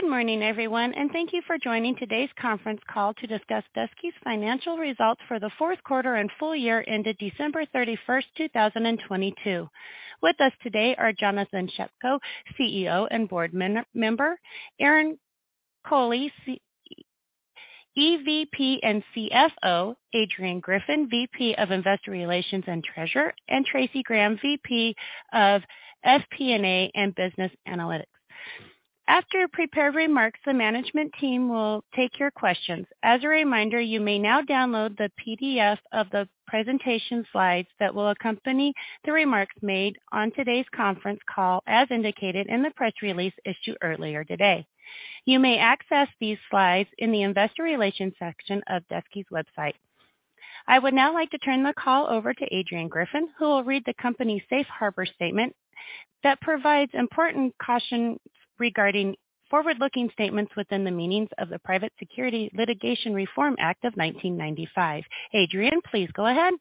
Good morning, everyone. Thank you for joining today's conference call to discuss Daseke's financial results for the fourth quarter and full year ended December 31, 2022. With us today are Jonathan Shepko, CEO and Board Member, Aaron Coley, EVP and CFO, Adrianne Griffin, VP of Investor Relations and Treasurer, and Traci Graham, VP of FP&A and Business Analytics. After prepared remarks, the management team will take your questions. As a reminder, you may now download the PDF of the presentation slides that will accompany the remarks made on today's conference call, as indicated in the press release issued earlier today. You may access these slides in the Investor Relations section of Daseke's website. I would now like to turn the call over to Adrianne Griffin, who will read the company's safe harbor statement that provides important caution regarding forward-looking statements within the meanings of the Private Securities Litigation Reform Act of 1995. Adrianne, please go ahead.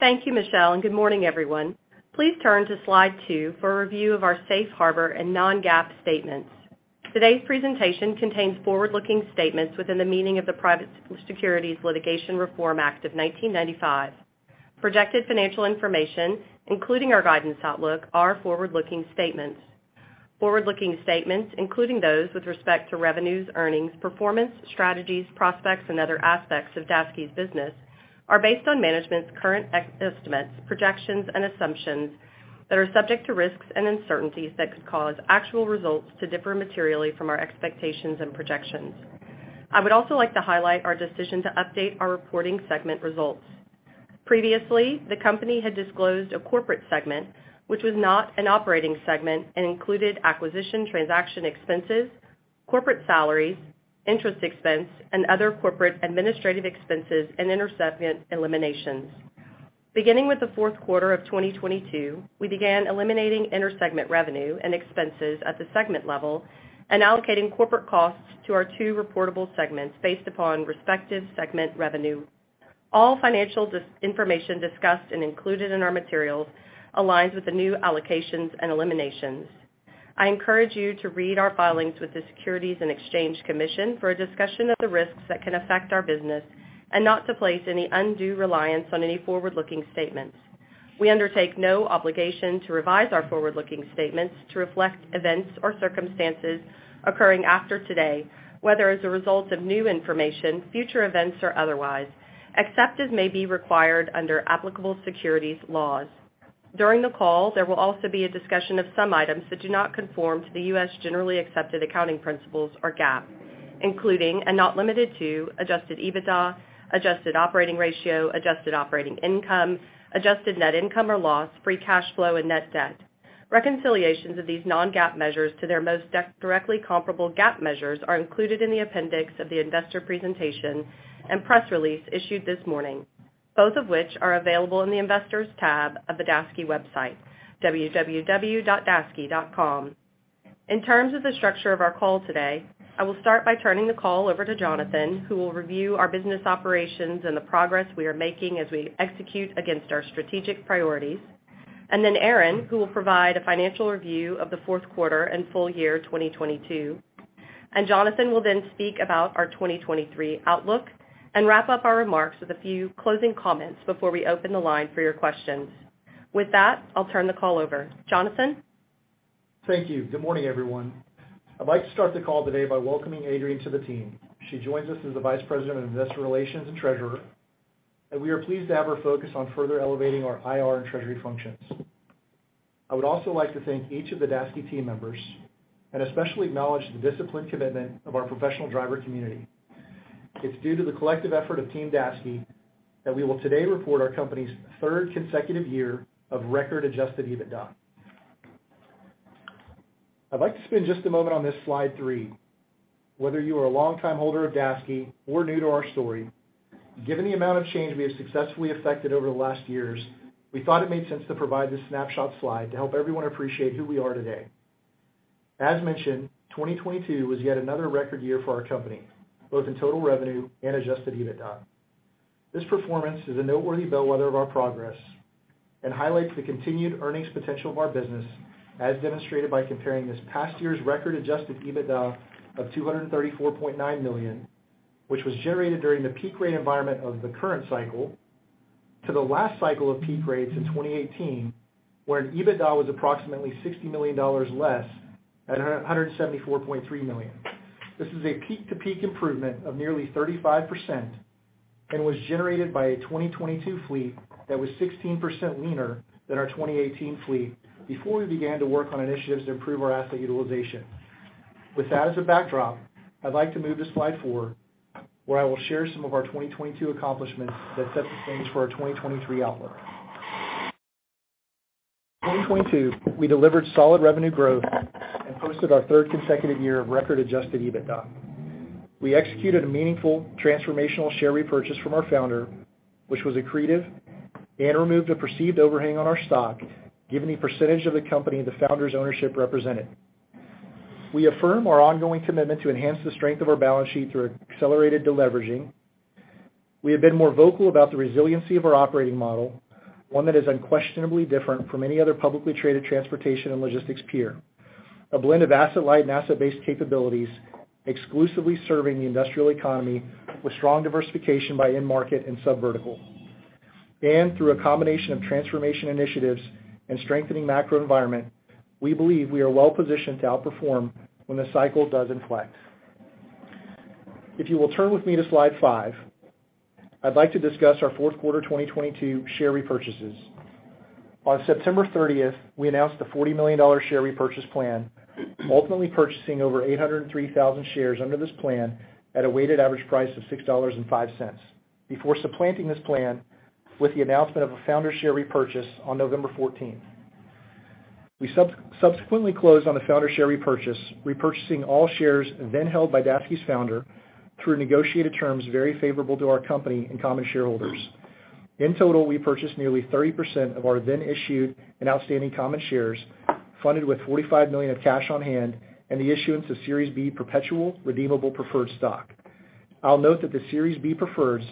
Thank you, Michelle, and good morning, everyone. Please turn to slide 2 for a review of our safe harbor and non-GAAP statements. Today's presentation contains forward-looking statements within the meaning of the Private Securities Litigation Reform Act of 1995. Projected financial information, including our guidance outlook, are forward-looking statements. Forward-looking statements, including those with respect to revenues, earnings, performance, strategies, prospects, and other aspects of Daseke's business, are based on management's current estimates, projections, and assumptions that are subject to risks and uncertainties that could cause actual results to differ materially from our expectations and projections. I would also like to highlight our decision to update our reporting segment results. Previously, the company had disclosed a corporate segment, which was not an operating segment, and included acquisition transaction expenses, corporate salaries, interest expense, and other corporate administrative expenses and inter-segment eliminations. Beginning with the fourth quarter of 2022, we began eliminating inter-segment revenue and expenses at the segment level and allocating corporate costs to our two reportable segments based upon respective segment revenue. All financial information discussed and included in our materials aligns with the new allocations and eliminations. I encourage you to read our filings with the Securities and Exchange Commission for a discussion of the risks that can affect our business and not to place any undue reliance on any forward-looking statements. We undertake no obligation to revise our forward-looking statements to reflect events or circumstances occurring after today, whether as a result of new information, future events, or otherwise, except as may be required under applicable securities laws. During the call, there will also be a discussion of some items that do not conform to the U.S. generally accepted accounting principles, or GAAP, including and not limited to Adjusted EBITDA, Adjusted operating ratio, Adjusted operating income, adjusted net income or loss, free cash flow, and net debt. Reconciliations of these non-GAAP measures to their most directly comparable GAAP measures are included in the appendix of the investor presentation and press release issued this morning, both of which are available in the Investors tab of the Daseke website, www.daseke.com. In terms of the structure of our call today, I will start by turning the call over to Jonathan, who will review our business operations and the progress we are making as we execute against our strategic priorities. Then Aaron, who will provide a financial review of the fourth quarter and full year 2022. Jonathan will then speak about our 2023 outlook and wrap up our remarks with a few closing comments before we open the line for your questions. With that, I'll turn the call over. Jonathan? Thank you. Good morning, everyone. I'd like to start the call today by welcoming Adrianne to the team. She joins us as the Vice President of Investor Relations and Treasurer. We are pleased to have her focus on further elevating our IR and treasury functions. I would also like to thank each of the Daseke team members, especially acknowledge the disciplined commitment of our professional driver community. It's due to the collective effort of team Daseke that we will today report our company's 3rd consecutive year of record Adjusted EBITDA. I'd like to spend just a moment on this slide 3. Whether you are a longtime holder of Daseke or new to our story, given the amount of change we have successfully affected over the last years, we thought it made sense to provide this snapshot slide to help everyone appreciate who we are today. As mentioned, 2022 was yet another record year for our company, both in total revenue and Adjusted EBITDA. This performance is a noteworthy bellwether of our progress and highlights the continued earnings potential of our business, as demonstrated by comparing this past year's record Adjusted EBITDA of $234.9 million, which was generated during the peak rate environment of the current cycle, to the last cycle of peak rates in 2018, when Adjusted EBITDA was approximately $60 million less at $174.3 million. This is a peak-to-peak improvement of nearly 35% and was generated by a 2022 fleet that was 16% leaner than our 2018 fleet before we began to work on initiatives to improve our asset utilization. With that as a backdrop, I'd like to move to slide 4, where I will share some of our 2022 accomplishments that set the stage for our 2023 outlook. In 2022, we delivered solid revenue growth and posted our third consecutive year of record Adjusted EBITDA. We executed a meaningful transformational share repurchase from our founder, which was accretive and removed a perceived overhang on our stock, given the percentage of the company the founder's ownership represented. We affirm our ongoing commitment to enhance the strength of our balance sheet through accelerated deleveraging. We have been more vocal about the resiliency of our operating model, one that is unquestionably different from any other publicly traded transportation and logistics peer. A blend of asset-light and asset-based capabilities, exclusively serving the industrial economy with strong diversification by end market and subvertical. Through a combination of transformation initiatives and strengthening macro environment, we believe we are well-positioned to outperform when the cycle does inflect. If you will turn with me to slide 5, I'd like to discuss our fourth quarter 2022 share repurchases. On September 30th, we announced a $40 million share repurchase plan, ultimately purchasing over 803,000 shares under this plan at a weighted average price of $6.05, before supplanting this plan with the announcement of a founder share repurchase on November 14th. We subsequently closed on a founder share repurchase, repurchasing all shares then held by Daseke's founder through negotiated terms very favorable to our company and common shareholders. In total, we purchased nearly 30% of our then issued and outstanding common shares, funded with $45 million of cash on hand and the issuance of Series B Perpetual Redeemable Preferred Stock. I'll note that the Series B prefers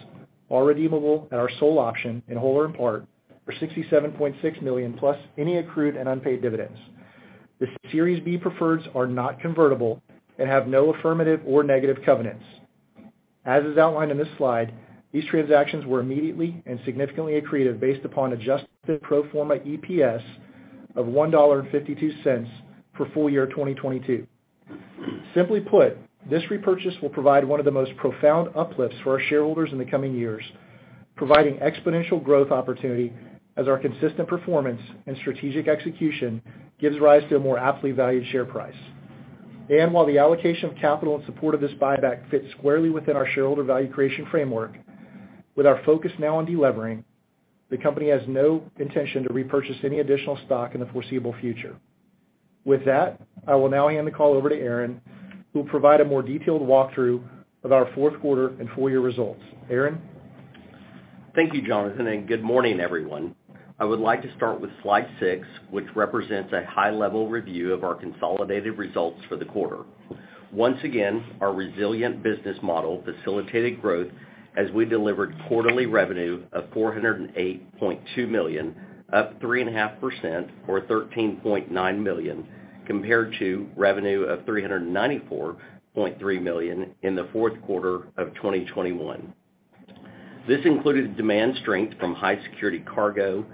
are redeemable at our sole option in whole or in part for $67.6 million, plus any accrued and unpaid dividends. The Series B preferreds are not convertible and have no affirmative or negative covenants. As is outlined in this slide, these transactions were immediately and significantly accretive based upon Adjusted Pro Forma EPS of $1.52 for full year 2022. Simply put, this repurchase will provide one of the most profound uplifts for our shareholders in the coming years, providing exponential growth opportunity as our consistent performance and strategic execution gives rise to a more aptly valued share price. While the allocation of capital in support of this buyback fits squarely within our shareholder value creation framework, with our focus now on delevering, the company has no intention to repurchase any additional stock in the foreseeable future. With that, I will now hand the call over to Aaron, who will provide a more detailed walkthrough of our fourth quarter and full year results. Aaron? Thank you, Jonathan. Good morning, everyone. I would like to start with slide 6, which represents a high-level review of our consolidated results for the quarter. Once again, our resilient business model facilitated growth as we delivered quarterly revenue of $408.2 million, up 3.5%, or $13.9 million, compared to revenue of $394.3 million in the fourth quarter of 2021. This included demand strength from high-security cargo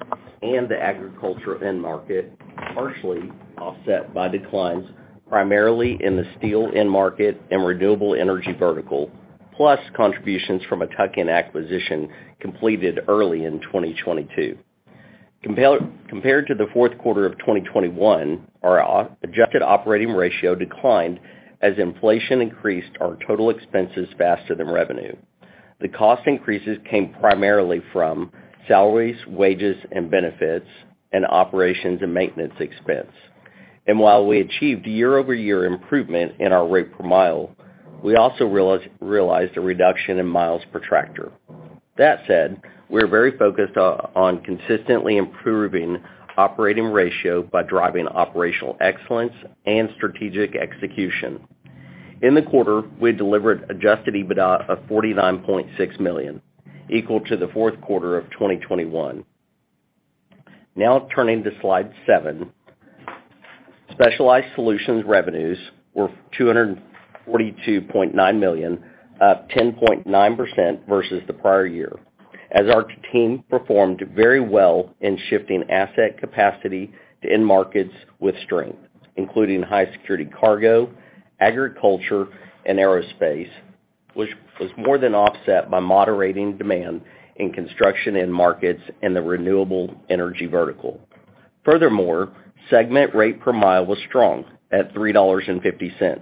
and the agriculture end market, partially offset by declines, primarily in the steel end market and renewable energy vertical, plus contributions from a tuck-in acquisition completed early in 2022. Compared to the fourth quarter of 2021, our adjusted operating ratio declined as inflation increased our total expenses faster than revenue. The cost increases came primarily from salaries, wages and benefits, and operations and maintenance expense. While we achieved year-over-year improvement in our rate per mile, we also realized a reduction in miles per tractor. That said, we are very focused on consistently improving operating ratio by driving operational excellence and strategic execution. In the quarter, we delivered Adjusted EBITDA of $49.6 million, equal to the fourth quarter of 2021. Turning to slide 7. Specialized Solutions revenues were $242.9 million, up 10.9% versus the prior year, as our team performed very well in shifting asset capacity to end markets with strength, including high-security cargo, agriculture, and aerospace, which was more than offset by moderating demand in construction end markets and the renewable energy vertical. Segment rate per mile was strong at $3.50,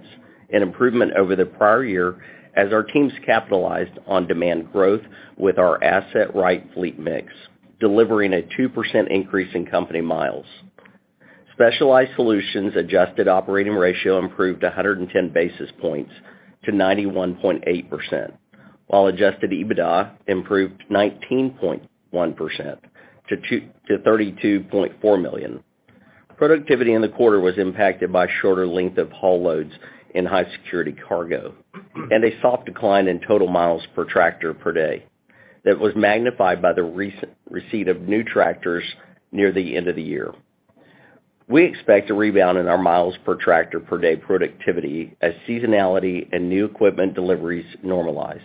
an improvement over the prior year as our teams capitalized on demand growth with our asset-right fleet mix, delivering a 2% increase in company miles. Specialized Solutions' adjusted operating ratio improved 110 basis points to 91.8%, while Adjusted EBITDA improved 19.1% to $32.4 million. Productivity in the quarter was impacted by shorter length of haul loads in high-security cargo and a soft decline in total miles per tractor per day that was magnified by the recent receipt of new tractors near the end of the year. We expect a rebound in our miles per tractor per day productivity as seasonality and new equipment deliveries normalize.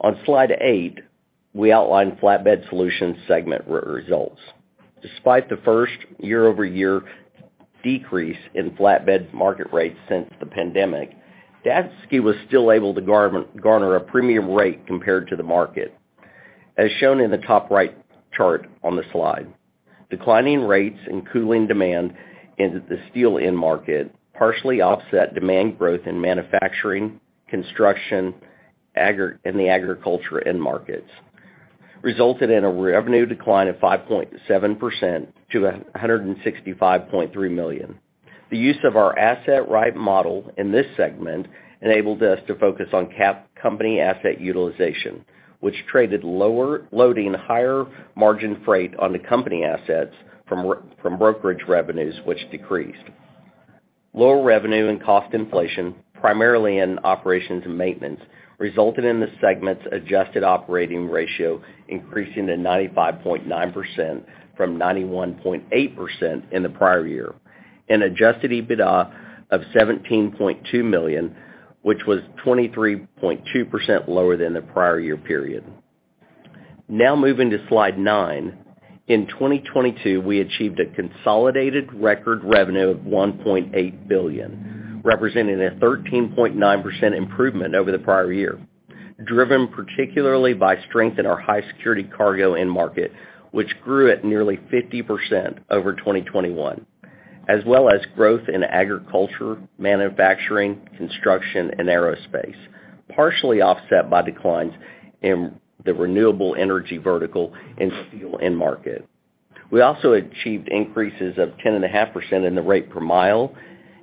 On slide 8, we outline Flatbed Solutions segment re-results. Despite the first year-over-year decrease in flatbed market rates since the pandemic, Daseke was still able to garner a premium rate compared to the market, as shown in the top right chart on the slide. Declining rates and cooling demand in the steel end market partially offset demand growth in manufacturing, construction, in the agriculture end markets, resulted in a revenue decline of 5.7% to $165.3 million. The use of our asset-right model in this segment enabled us to focus on company asset utilization, which traded loading higher margin freight on the company assets from brokerage revenues, which decreased. Lower revenue and cost inflation, primarily in operations and maintenance, resulted in the segment's adjusted operating ratio increasing to 95.9% from 91.8% in the prior year, and Adjusted EBITDA of $17.2 million, which was 23.2% lower than the prior year period. Now moving to slide 9. In 2022, we achieved a consolidated record revenue of $1.8 billion, representing a 13.9% improvement over the prior year, driven particularly by strength in our high security cargo end market, which grew at nearly 50% over 2021, as well as growth in agriculture, manufacturing, construction, and aerospace, partially offset by declines in the renewable energy vertical and steel end market. We also achieved increases of 10.5% in the rate per mile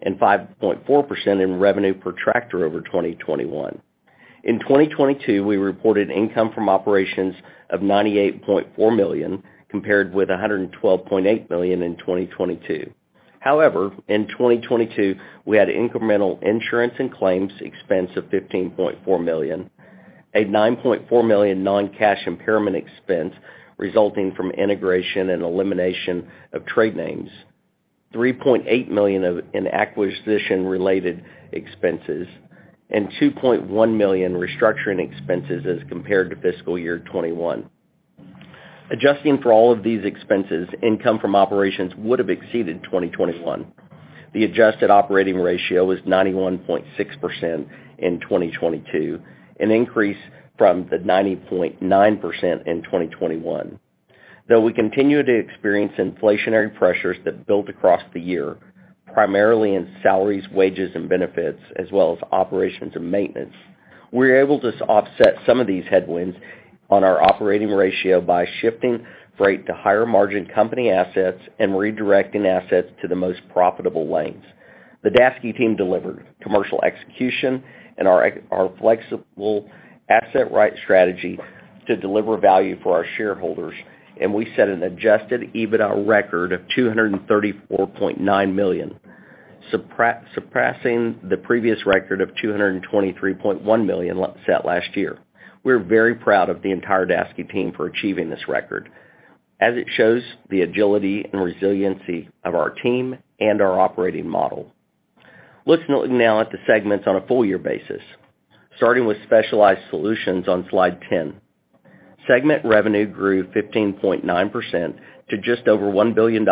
and 5.4% in revenue per tractor over 2021. In 2022, we reported income from operations of $98.4 million, compared with $112.8 million in 2022. However, in 2022, we had incremental insurance and claims expense of $15.4 million, a $9.4 million non-cash impairment expense resulting from integration and elimination of trade names, $3.8 million of an acquisition-related expenses, and $2.1 million restructuring expenses as compared to fiscal year 2021. Adjusting for all of these expenses, income from operations would have exceeded 2021. The Adjusted operating ratio is 91.6% in 2022, an increase from the 90.9% in 2021. We continue to experience inflationary pressures that built across the year, primarily in salaries, wages, and benefits, as well as operations and maintenance, we were able to offset some of these headwinds on our operating ratio by shifting freight to higher-margin company assets and redirecting assets to the most profitable lanes. The Daseke team delivered commercial execution and our flexible asset-right strategy to deliver value for our shareholders, and we set an Adjusted EBITDA record of $234.9 million, surpassing the previous record of $223.1 million set last year. We're very proud of the entire Daseke team for achieving this record, as it shows the agility and resiliency of our team and our operating model. Let's look now at the segments on a full year basis, starting with Specialized Solutions on slide 10. Segment revenue grew 15.9% to just over $1 billion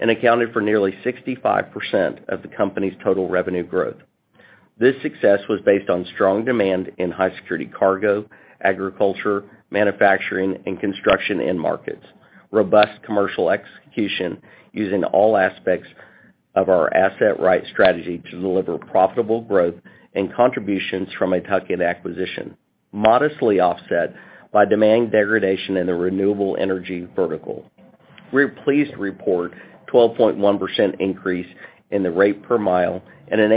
and accounted for nearly 65% of the company's total revenue growth. This success was based on strong demand in high security cargo, agriculture, manufacturing, and construction end markets, robust commercial execution using all aspects of our asset-right strategy to deliver profitable growth and contributions from a tuck-in acquisition, modestly offset by demand degradation in the renewable energy vertical. We're pleased to report 12.1% increase in the rate per mile and an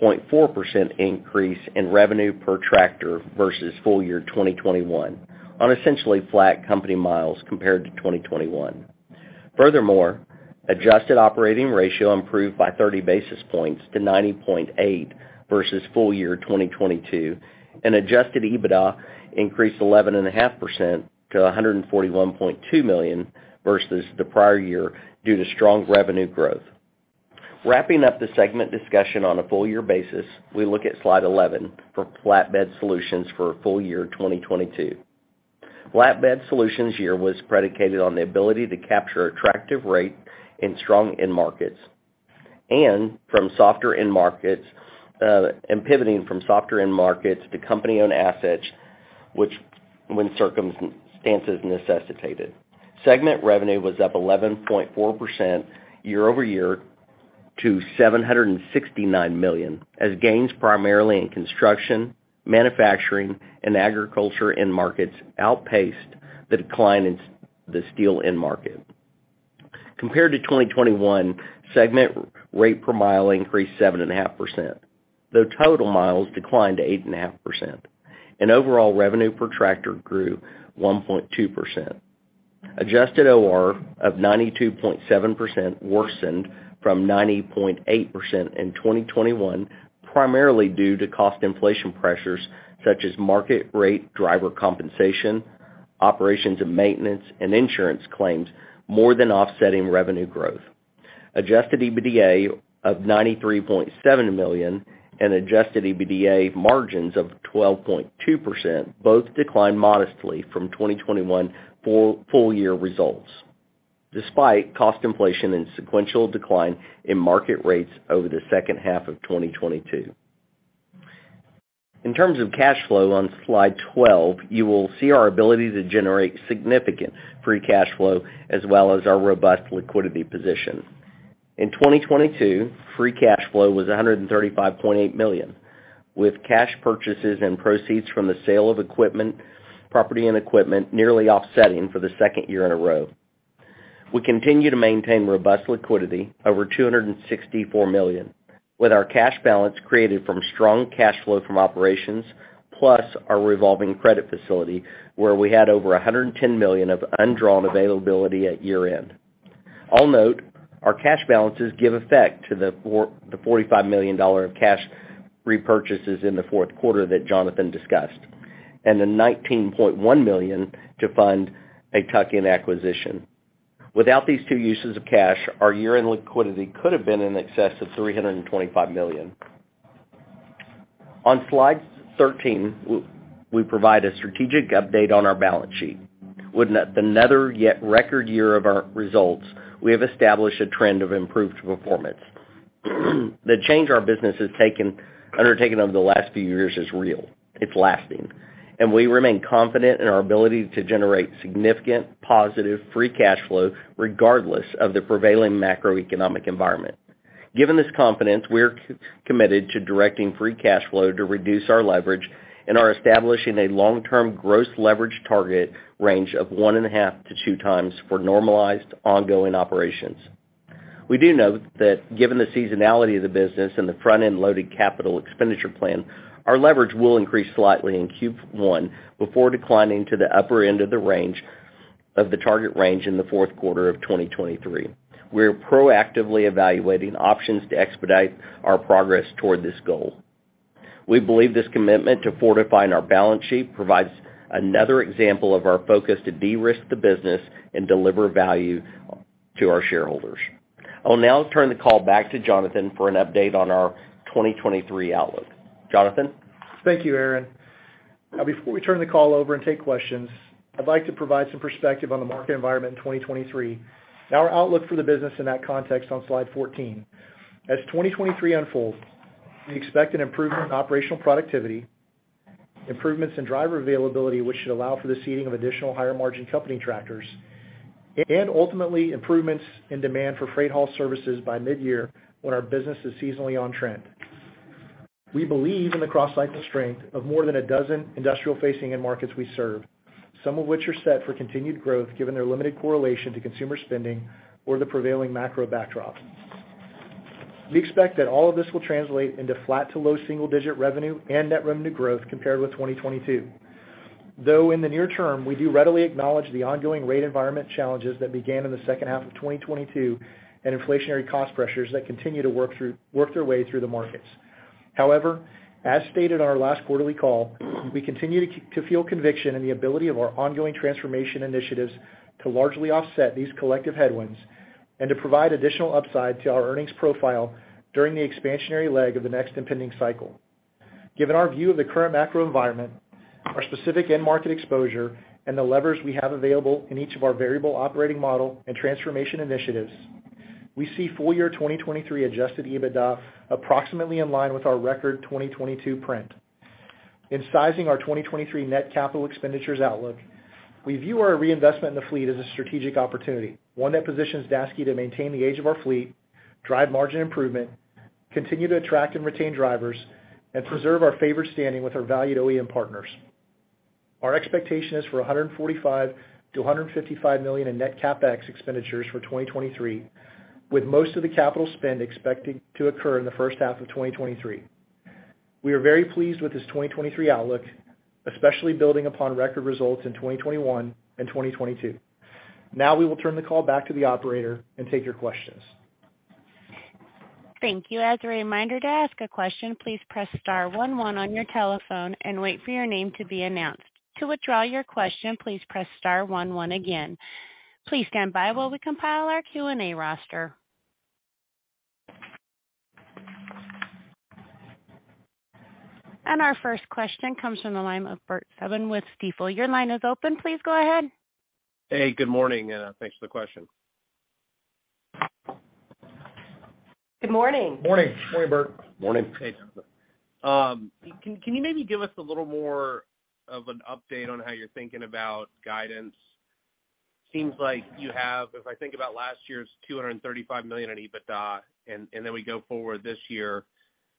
8.4% increase in revenue per tractor versus full year 2021 on essentially flat company miles compared to 2021. Furthermore, adjusted operating ratio improved by 30 basis points to 90.8% versus full year 2022, and Adjusted EBITDA increased 11.5% to $141.2 million versus the prior year due to strong revenue growth. Wrapping up the segment discussion on a full year basis, we look at slide 11 for Flatbed Solutions for full year 2022. Flatbed Solutions year was predicated on the ability to capture attractive rate in strong end markets and from softer end markets, and pivoting from softer end markets to company-owned assets which when circumstances necessitated. Segment revenue was up 11.4% year-over-year to $769 million as gains primarily in construction, manufacturing, and agriculture end markets outpaced the decline in the steel end market. Compared to 2021, segment rate per mile increased 7.5%, though total miles declined to 8.5%, and overall revenue per tractor grew 1.2%. Adjusted OR of 92.7% worsened from 90.8% in 2021, primarily due to cost inflation pressures such as market rate driver compensation, operations and maintenance, and insurance claims more than offsetting revenue growth. Adjusted EBITDA of $93.7 million and Adjusted EBITDA margins of 12.2% both declined modestly from 2021 full year results, despite cost inflation and sequential decline in market rates over the second half of 2022. In terms of cash flow on slide 12, you will see our ability to generate significant free cash flow as well as our robust liquidity position. In 2022, free cash flow was $135.8 million, with cash purchases and proceeds from the sale of equipment, property and equipment nearly offsetting for the second year in a row. We continue to maintain robust liquidity, over $264 million, with our cash balance created from strong cash flow from operations plus our revolving credit facility, where we had over $110 million of undrawn availability at year-end. I'll note our cash balances give effect to the $45 million dollars of cash repurchases in the fourth quarter that Jonathan discussed, and the $19.1 million to fund a tuck-in acquisition. Without these two uses of cash, our year-end liquidity could have been in excess of $325 million. On slide 13, we provide a strategic update on our balance sheet. With another yet record year of our results, we have established a trend of improved performance. The change our business has undertaken over the last few years is real, it's lasting, and we remain confident in our ability to generate significant positive free cash flow regardless of the prevailing macroeconomic environment. Given this confidence, we're committed to directing free cash flow to reduce our leverage and are establishing a long-term gross leverage target range of 1.5x-2x for normalized ongoing operations. We do note that given the seasonality of the business and the front-end loaded capital expenditure plan, our leverage will increase slightly in Q1 before declining to the upper end of the target range in the fourth quarter of 2023. We're proactively evaluating options to expedite our progress toward this goal. We believe this commitment to fortifying our balance sheet provides another example of our focus to de-risk the business and deliver value to our shareholders. I will now turn the call back to Jonathan for an update on our 2023 outlook. Jonathan? Thank you, Aaron. Before we turn the call over and take questions, I'd like to provide some perspective on the market environment in 2023 and our outlook for the business in that context on slide 14. As 2023 unfolds, we expect an improvement in operational productivity, improvements in driver availability, which should allow for the seating of additional higher margin company tractors, and ultimately improvements in demand for freight haul services by mid-year when our business is seasonally on trend. We believe in the cross-cycle strength of more than 12 industrial facing end markets we serve, some of which are set for continued growth given their limited correlation to consumer spending or the prevailing macro backdrop. We expect that all of this will translate into flat to low single-digit revenue and net revenue growth compared with 2022, though in the near term, we do readily acknowledge the ongoing rate environment challenges that began in the second half of 2022 and inflationary cost pressures that continue to work their way through the markets. As stated on our last quarterly call, we continue to feel conviction in the ability of our ongoing transformation initiatives to largely offset these collective headwinds and to provide additional upside to our earnings profile during the expansionary leg of the next impending cycle. Given our view of the current macro environment, our specific end market exposure, and the levers we have available in each of our variable operating model and transformation initiatives, we see full year 2023 Adjusted EBITDA approximately in line with our record 2022 print. In sizing our 2023 net capital expenditures outlook, we view our reinvestment in the fleet as a strategic opportunity, one that positions Daseke to maintain the age of our fleet, drive margin improvement, continue to attract and retain drivers, and preserve our favored standing with our valued OEM partners. Our expectation is for $145 million-$155 million in net CapEx expenditures for 2023, with most of the capital spend expecting to occur in the first half of 2023. We are very pleased with this 2023 outlook, especially building upon record results in 2021 and 2022. Now we will turn the call back to the operator and take your questions. Thank you. As a reminder to ask a question, please press star one one on your telephone and wait for your name to be announced. To withdraw your question, please press star one one again. Please stand by while we compile our Q&A roster. Our first question comes from the line of Bert Subin with Stifel. Your line is open. Please go ahead. Hey, good morning, and thanks for the question. Good morning. Morning. Morning, Bert. Morning. Hey. Can you maybe give us a little more of an update on how you're thinking about guidance? Seems like you have, if I think about last year's $235 million in EBITDA, and then we go forward this year,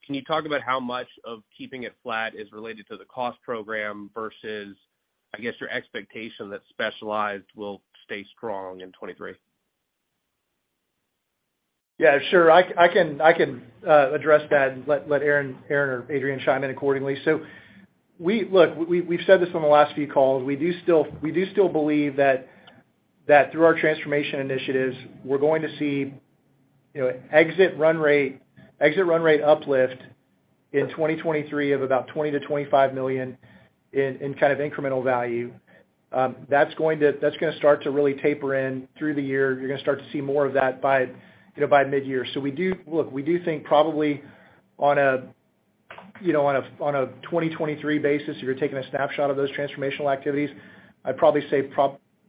can you talk about how much of keeping it flat is related to the cost program versus, I guess, your expectation that Specialized will stay strong in 2023? Yeah, sure. I can address that and let Aaron or Traci chime in accordingly. Look, we've said this on the last few calls. We do still believe that through our transformation initiatives, we're going to see, you know, exit run rate uplift in 2023 of about $20 million-$25 million in kind of incremental value. That's going to start to really taper in through the year. You're going to start to see more of that by, you know, by mid-year. We do think probably on a, you know, on a 2023 basis, if you're taking a snapshot of those transformational activities, I'd probably say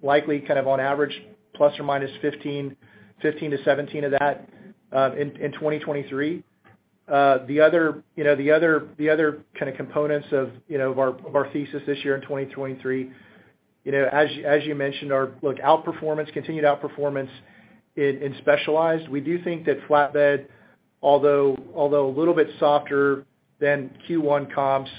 likely kind of on average, ±15-17 of that, in 2023. The other, you know, kind of components of our thesis this year in 2023, as you mentioned, our outperformance, continued outperformance in Specialized. We do think that Flatbed, although a little bit softer than Q1 comps,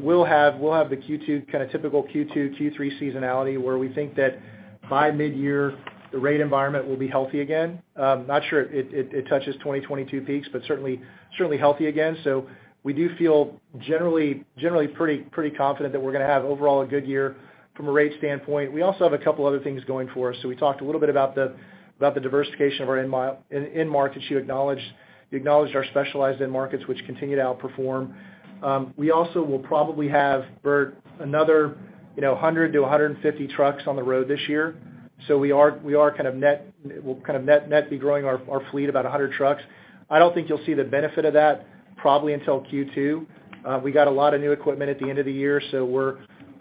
we'll have the Q2, kind of typical Q2, Q3 seasonality, where we think that by midyear, the rate environment will be healthy again. Not sure it touches 2022 peaks, but certainly healthy again. We do feel generally pretty confident that we're gonna have overall a good year from a rate standpoint. We also have a couple other things going for us. We talked a little bit about the diversification of our in markets. You acknowledged our specialized end markets, which continue to outperform. We also will probably have, Bert, another, you know, 100 to 150 trucks on the road this year. We are kind of net, we'll kind of net be growing our fleet about 100 trucks. I don't think you'll see the benefit of that probably until Q2. We got a lot of new equipment at the end of the year, so we're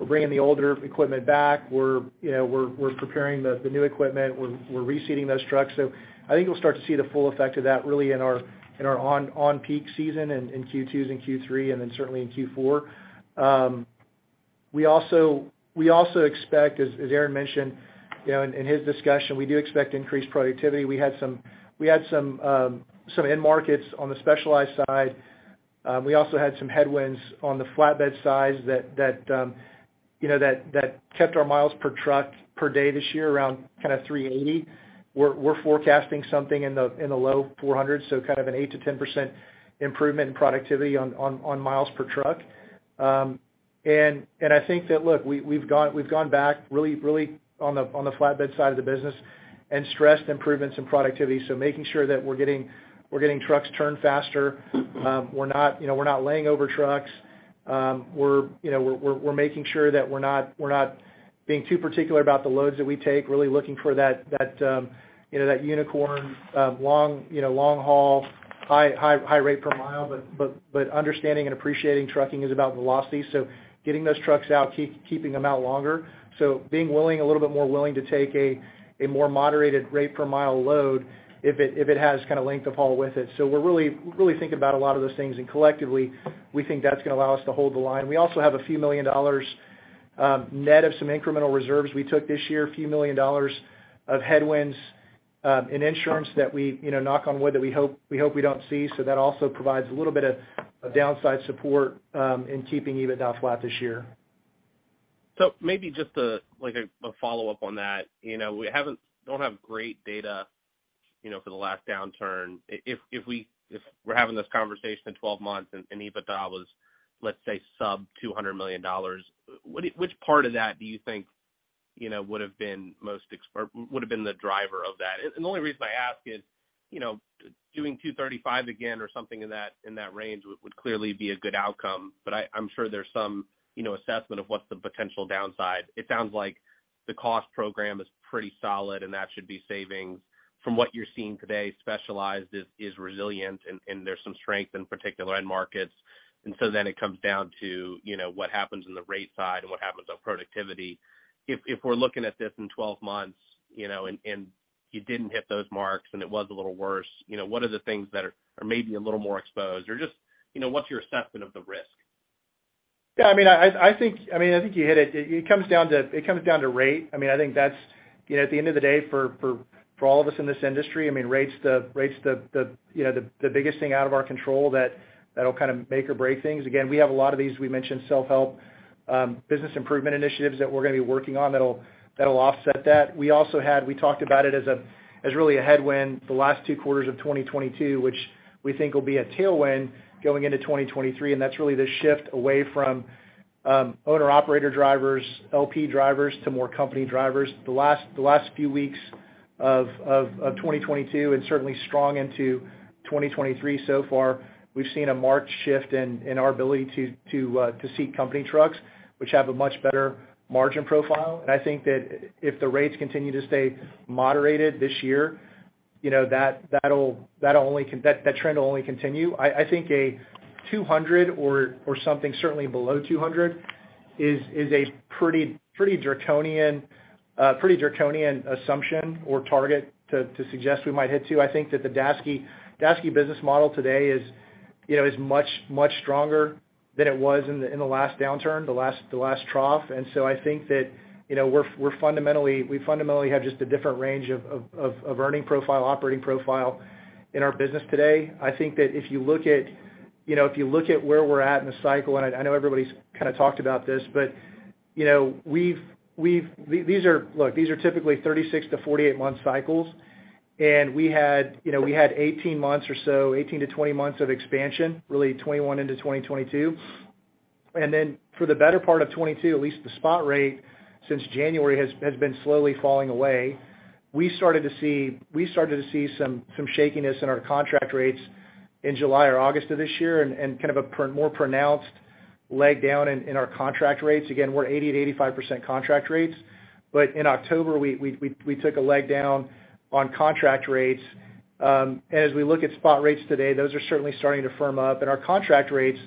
bringing the older equipment back. We're, you know, we're preparing the new equipment. We're reseating those trucks. I think you'll start to see the full effect of that really in our peak season in Q2s and Q3, certainly in Q4. We also expect, as Aaron mentioned, you know, in his discussion, we do expect increased productivity. We had some end markets on the specialized side. We also had some headwinds on the flatbed side that, you know, that kept our miles per truck per day this year around kind of 380. We're forecasting something in the low 400s, kind of an 8%-10% improvement in productivity on miles per truck. I think that, look, we've gone back really on the flatbed side of the business and stressed improvements in productivity. Making sure that we're getting trucks turned faster. We're not, you know, we're not laying over trucks. We're, you know, we're making sure that we're not being too particular about the loads that we take, really looking for that, you know, that unicorn, long, you know, long haul, high rate per mile, but understanding and appreciating trucking is about velocity, so getting those trucks out, keeping them out longer. Being willing, a little bit more willing to take a more moderated rate per mile load if it has kinda length of haul with it. We're really, really thinking about a lot of those things, and collectively, we think that's gonna allow us to hold the line. We also have a few million dollars, net of some incremental reserves we took this year, a few million dollars of headwinds, in insurance that we, you know, knock on wood, that we hope we don't see. That also provides a little bit of downside support, in keeping EBIT flat this year. Maybe just a, like a follow-up on that. You know, we don't have great data, you know, for the last downturn. If we're having this conversation in 12 months and EBITDA was, let's say, sub $200 million, which part of that do you think, you know, would've been most or would've been the driver of that? The only reason I ask is, you know, doing $235 again or something in that, in that range would clearly be a good outcome. I'm sure there's some, you know, assessment of what's the potential downside. It sounds like the cost program is pretty solid, and that should be savings. From what you're seeing today, Specialized is resilient and there's some strength in particular end markets. It comes down to, you know, what happens in the rate side and what happens on productivity. If we're looking at this in 12 months, you know, and you didn't hit those marks and it was a little worse, you know, what are the things that are maybe a little more exposed? Or just, you know, what's your assessment of the risk? Yeah, I mean, I think, I mean, I think you hit it. It comes down to rate. I mean, I think that's, you know, at the end of the day, for all of us in this industry, I mean, rate's the, you know, the biggest thing out of our control that'll kind of make or break things. Again, we have a lot of these, we mentioned self-help, business improvement initiatives that we're gonna be working on that'll offset that. We also had, we talked about it as really a headwind the last 2 quarters of 2022, which we think will be a tailwind going into 2023. That's really the shift away from owner-operator drivers, LP drivers to more company drivers. The last few weeks of 2022, and certainly strong into 2023 so far, we've seen a marked shift in our ability to seat company trucks, which have a much better margin profile. I think that if the rates continue to stay moderated this year, you know, that trend will only continue. I think a 200 or something certainly below 200 is a pretty draconian assumption or target to suggest we might hit two. I think that the Daseke business model today is, you know, is much stronger than it was in the last downturn, the last trough. I think that, you know, we're fundamentally, we fundamentally have just a different range of earning profile, operating profile in our business today. I think that if you look at, you know, if you look at where we're at in the cycle, and I know everybody's kinda talked about this, but, you know, these are, look, these are typically 36-48 month cycles, and we had, you know, we had 18 months or so, 18-20 months of expansion, really 2021 into 2022. For the better part of 2022, at least the spot rate since January has been slowly falling away. We started to see some shakiness in our contract rates in July or August of this year and kind of a more pronounced leg down in our contract rates. Again, we're at 80%-85% contract rates. In October, we took a leg down on contract rates. As we look at spot rates today, those are certainly starting to firm up, and our contract rates,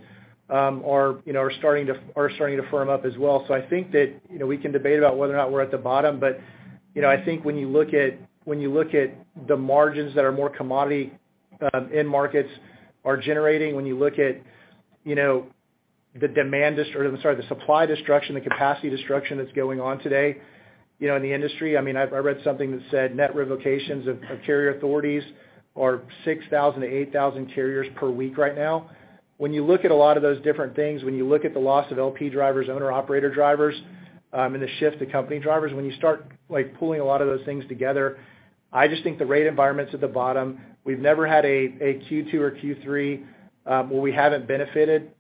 you know, are starting to firm up as well. I think that, you know, we can debate about whether or not we're at the bottom but, you know, I think when you look at, when you look at the margins that our more commodity, end markets are generating, when you look at, you know, or I'm sorry, the supply destruction, the capacity destruction that's going on today. You know, in the industry, I mean, I read something that said net revocations of carrier authorities are 6,000 to 8,000 carriers per week right now. When you look at a lot of those different things, when you look at the loss of LP drivers, owner-operator drivers, and the shift to company drivers, when you start, like, pulling a lot of those things together, I just think the rate environment's at the bottom. We've never had a Q2 or Q3 where we haven't benefited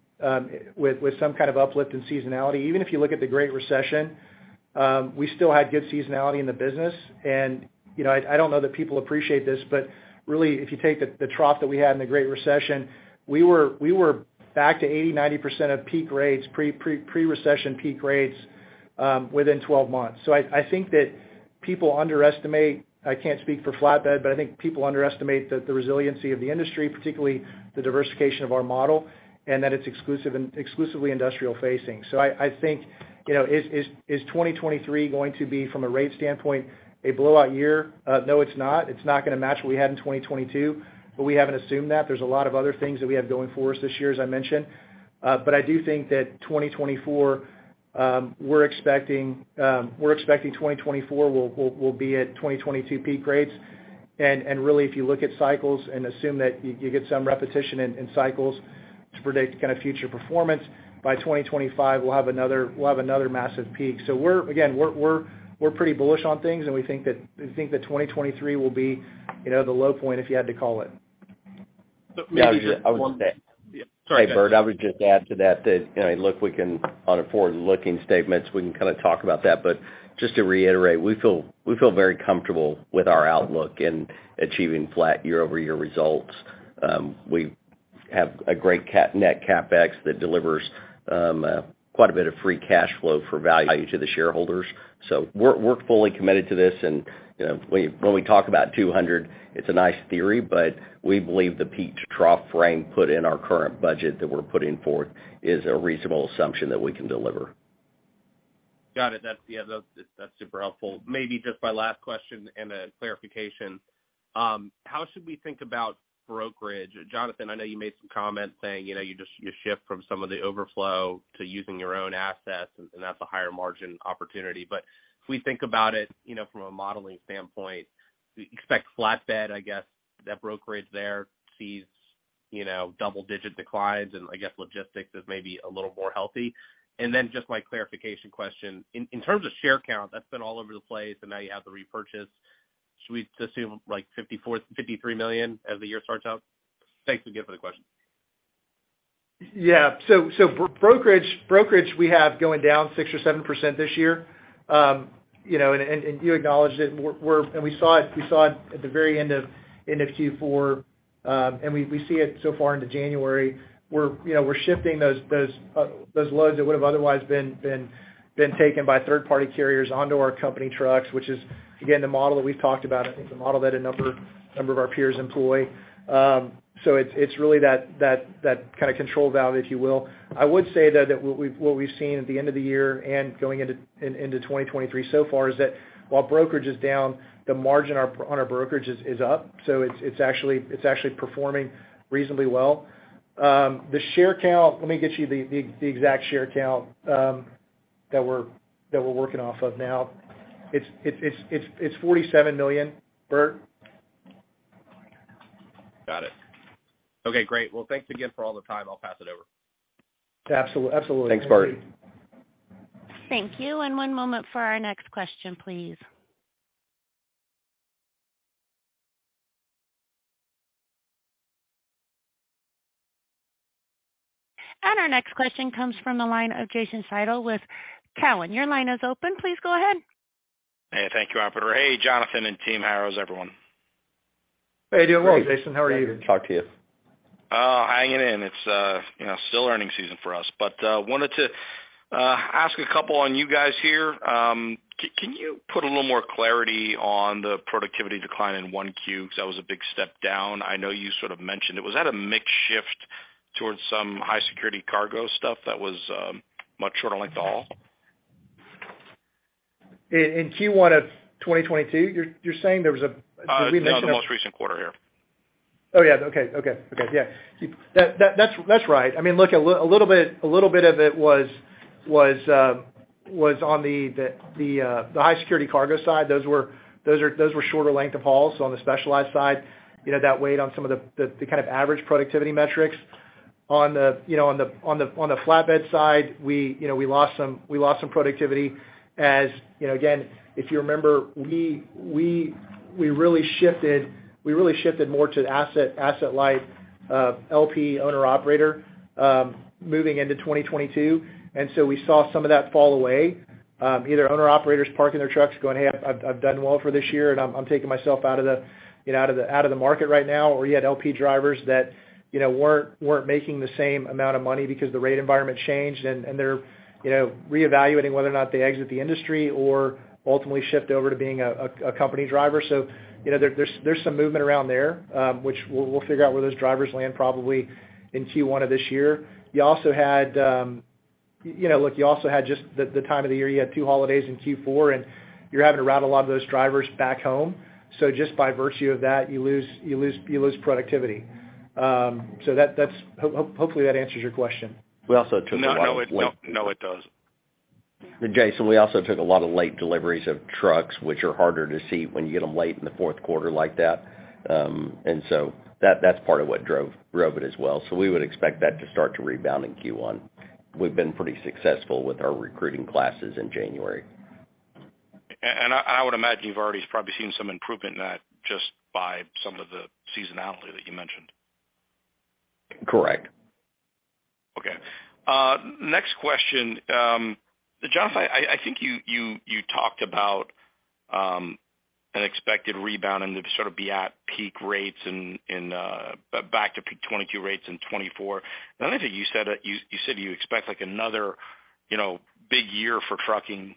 with some kind of uplift in seasonality. Even if you look at the Great Recession, we still had good seasonality in the business. You know, I don't know that people appreciate this, but really if you take the trough that we had in the Great Recession, we were back to 80%, 90% of peak rates, pre-recession peak rates, within 12 months. I think that people underestimate... I can't speak for flatbed, but I think people underestimate the resiliency of the industry, particularly the diversification of our model, and that it's exclusively industrial facing. I think, you know, is 2023 going to be, from a rate standpoint, a blowout year? No, it's not. It's not gonna match what we had in 2022, but we haven't assumed that. There's a lot of other things that we have going for us this year, as I mentioned. I do think that 2024, we're expecting, we're expecting 2024 will be at 2022 peak rates. Really, if you look at cycles and assume that you get some repetition in cycles to predict kind of future performance, by 2025, we'll have another, we'll have another massive peak. We're, again, we're pretty bullish on things, and we think that, we think that 2023 will be, you know, the low point if you had to call it. maybe just one. Yeah, I would. Yeah. Sorry, guys. Hey, Bert, I would just add to that, you know, look, we can on a forward-looking statements, we can kinda talk about that. Just to reiterate, we feel very comfortable with our outlook in achieving flat year-over-year results. We have a great net CapEx that delivers quite a bit of free cash flow for value to the shareholders. We're fully committed to this. You know, when we talk about $200, it's a nice theory, but we believe the peak-to-trough frame put in our current budget that we're putting forth is a reasonable assumption that we can deliver. Got it. That's, yeah, super helpful. Maybe just my last question and a clarification. How should we think about brokerage? Jonathan, I know you made some comments saying, you know, you just shift from some of the overflow to using your own assets, and that's a higher margin opportunity. If we think about it, you know, from a modeling standpoint, we expect flatbed, I guess that brokerage there sees, you know, double-digit declines, and I guess logistics is maybe a little more healthy. Just my clarification question. In terms of share count, that's been all over the place, and now you have the repurchase. Should we assume, like, $54 million, $53 million as the year starts out? Thanks again for the question. Yeah. Brokerage we have going down 6% or 7% this year. You know, and you acknowledged it, and we saw it at the very end of Q4, and we see it so far into January. We're, you know, we're shifting those loads that would have otherwise been taken by third-party carriers onto our company trucks, which is, again, the model that we've talked about. I think it's a model that a number of our peers employ. It's really that kinda control valve, if you will. I would say, though, that what we've seen at the end of the year and going into 2023 so far is that while brokerage is down, the margin on our brokerage is up. It's actually performing reasonably well. The share count, let me get you the exact share count that we're working off of now. It's 47 million. Bert? Got it. Okay, great. Thanks again for all the time. I'll pass it over. Absolutely. Thanks, Bert. Thank you. One moment for our next question, please. Our next question comes from the line of Jason Seidl with Cowen. Your line is open. Please go ahead. Hey, thank you, operator. Hey, Jonathan and team. Hi, how is everyone? How are you doing? Jason, how are you? Good to talk to you. Hanging in. It's, you know, still earning season for us. Wanted to ask a couple on you guys here. Can you put a little more clarity on the productivity decline in 1 Q? 'Cause that was a big step down. I know you sort of mentioned it. Was that a mix shift towards some high-security cargo stuff that was much shorter length haul? In Q1 of 2022? You're saying there was a... No, the most recent quarter here. Oh, yeah. Okay. Okay. Okay. Yeah. That's right. I mean, look, a little bit of it was on the high-security cargo side. Those were shorter length of hauls on the specialized side. You know, that weighed on some of the kind of average productivity metrics. On the, you know, on the flatbed side, we, you know, we lost some productivity as, you know, again, if you remember, we really shifted more to the asset-light LP owner-operator, moving into 2022. We saw some of that fall away, either owner-operators parking their trucks going, "Hey, I've done well for this year, and I'm taking myself out of the, you know, out of the market right now." You had LP drivers that, you know, weren't making the same amount of money because the rate environment changed and they're, you know, reevaluating whether or not they exit the industry or ultimately shift over to being a company driver. You know, there's some movement around there, which we'll figure out where those drivers land probably in Q1 of this year. You also had, you know, look, you also had just the time of the year, you had two holidays in Q4, and you're having to route a lot of those drivers back home. Just by virtue of that, you lose, you lose, you lose productivity. That's hopefully, that answers your question. We also took a lot of late- No, no, it does. Jason, we also took a lot of late deliveries of trucks, which are harder to see when you get them late in the fourth quarter like that. that's part of what drove it as well. We would expect that to start to rebound in Q1. We've been pretty successful with our recruiting classes in January. I would imagine you've already probably seen some improvement in that just by some of the seasonality that you mentioned. Correct. Okay. Next question. Jonathan, I think you talked about an expected rebound and to sort of be at peak rates in back to peak 2022 rates in 2024. I think you said you expect like another, you know, big year for trucking,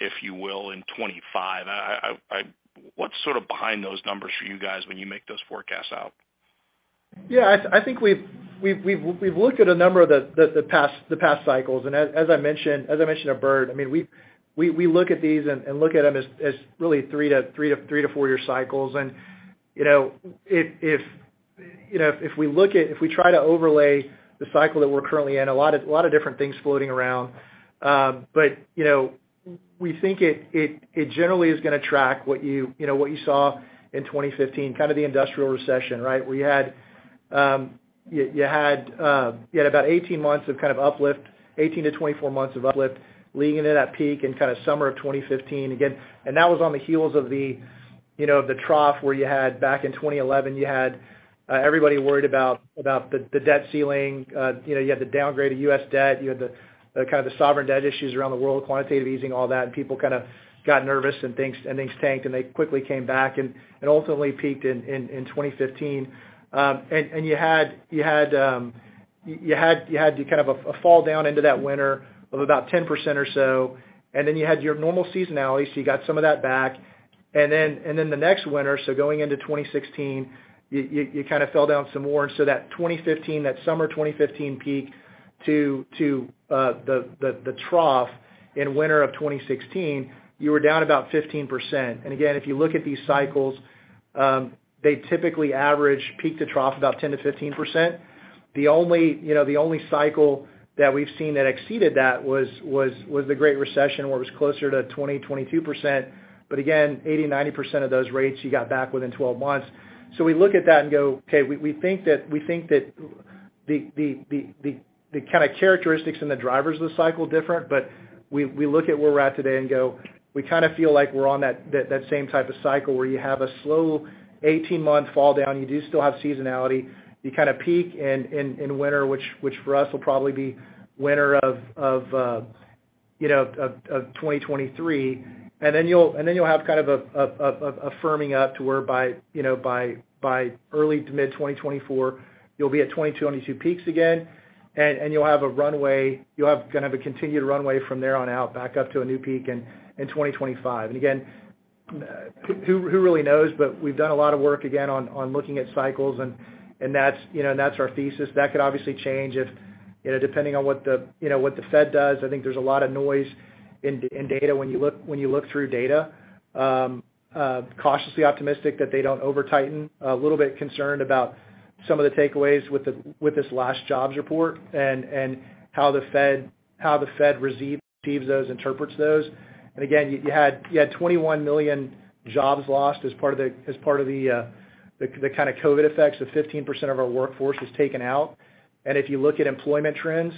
if you will, in 2025. What's sort of behind those numbers for you guys when you make those forecasts out? Yeah, I think we've looked at a number of the past cycles. As I mentioned at Bert, I mean, we look at these and look at them as really 3 to 4-year cycles. You know, if we look at if we try to overlay the cycle that we're currently in, a lot of different things floating around. You know, we think it generally is gonna track what you know, what you saw in 2015, kind of the industrial recession, right? Where you had about 18 months of kind of uplift, 18 to 24 months of uplift leading into that peak in kinda summer of 2015. Again, that was on the heels of the, you know, of the trough where you had back in 2011, you had everybody worried about the debt ceiling. You know, you had the downgrade of U.S. debt, you had the kind of the sovereign debt issues around the world, quantitative easing, all that. People kinda got nervous and things tanked, and they quickly came back and ultimately peaked in 2015. You had kind of a fall down into that winter of about 10% or so. Then you had your normal seasonality, so you got some of that back. Then, the next winter, so going into 2016, you kinda fell down some more. That 2015, that summer 2015 peak to the trough in winter of 2016, you were down about 15%. Again, if you look at these cycles, they typically average peak to trough about 10%-15%. The only, you know, the only cycle that we've seen that exceeded that was the Great Recession, where it was closer to 20%-22%. Again, 80%-90% of those rates you got back within 12 months. We look at that and go, okay, we think that the kinda characteristics and the drivers of the cycle different, but we look at where we're at today and go, we kinda feel like we're on that same type of cycle where you have a slow 18-month fall down. You do still have seasonality. You kinda peak in winter, which for us will probably be winter of, you know, 2023. Then you'll have kind of a firming up to where by, you know, by early to mid 2024, you'll be at 2022 peaks again. You'll have a runway, you'll have a continued runway from there on out back up to a new peak in 2025. Again, who really knows? We've done a lot of work again on looking at cycles and that's, you know, and that's our thesis. That could obviously change if, you know, depending on what the, you know, what the Fed does. I think there's a lot of noise in data when you look through data. Cautiously optimistic that they don't over-tighten. A little bit concerned about some of the takeaways with this last jobs report and how the Fed receives those, interprets those. Again, you had 21 million jobs lost as part of the, as part of the kinda COVID effects of 15% of our workforce was taken out. If you look at employment trends,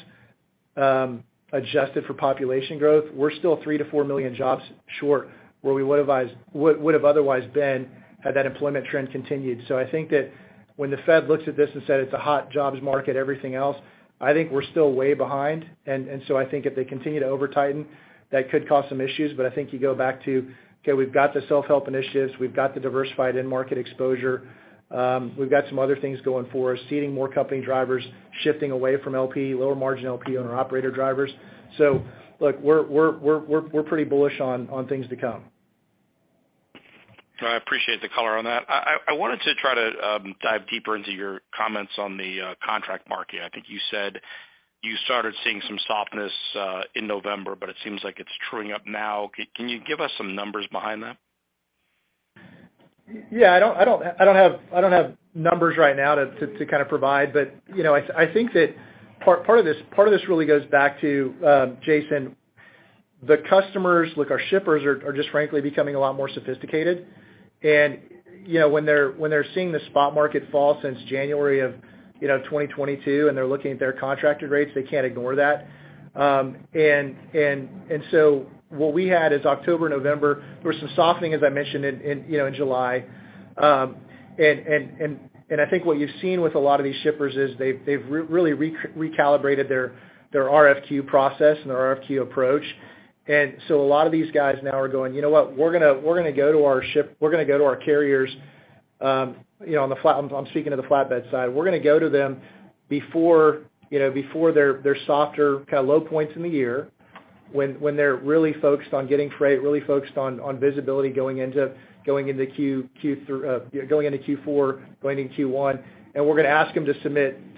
adjusted for population growth, we're still 3 million-4 million jobs short where we would have otherwise been had that employment trend continued. I think that when the Fed looks at this and said it's a hot jobs market, everything else, I think we're still way behind. I think if they continue to over-tighten, that could cause some issues. I think you go back to, okay, we've got the self-help initiatives, we've got the diversified end market exposure, we've got some other things going for us, seeding more company drivers, shifting away from LP, lower margin LP, owner-operator drivers. Look, we're pretty bullish on things to come. I appreciate the color on that. I wanted to try to dive deeper into your comments on the contract market. I think you said you started seeing some softness in November, but it seems like it's truing up now. Can you give us some numbers behind that? Yeah, I don't have numbers right now to kinda provide. You know, I think that part of this really goes back to Jason. The customers, look, our shippers are just frankly becoming a lot more sophisticated. You know, when they're seeing the spot market fall since January of, you know, 2022, and they're looking at their contracted rates, they can't ignore that. What we had is October, November, there was some softening, as I mentioned in, you know, in July. I think what you've seen with a lot of these shippers is they've really recalibrated their RFQ process and their RFQ approach. A lot of these guys now are going, you know what? We're gonna go to our carriers, you know, I'm speaking to the flatbed side. We're gonna go to them before, you know, before their softer kinda low points in the year. When they're really focused on getting freight, really focused on visibility going into Q4, going into Q1. We're gonna ask them to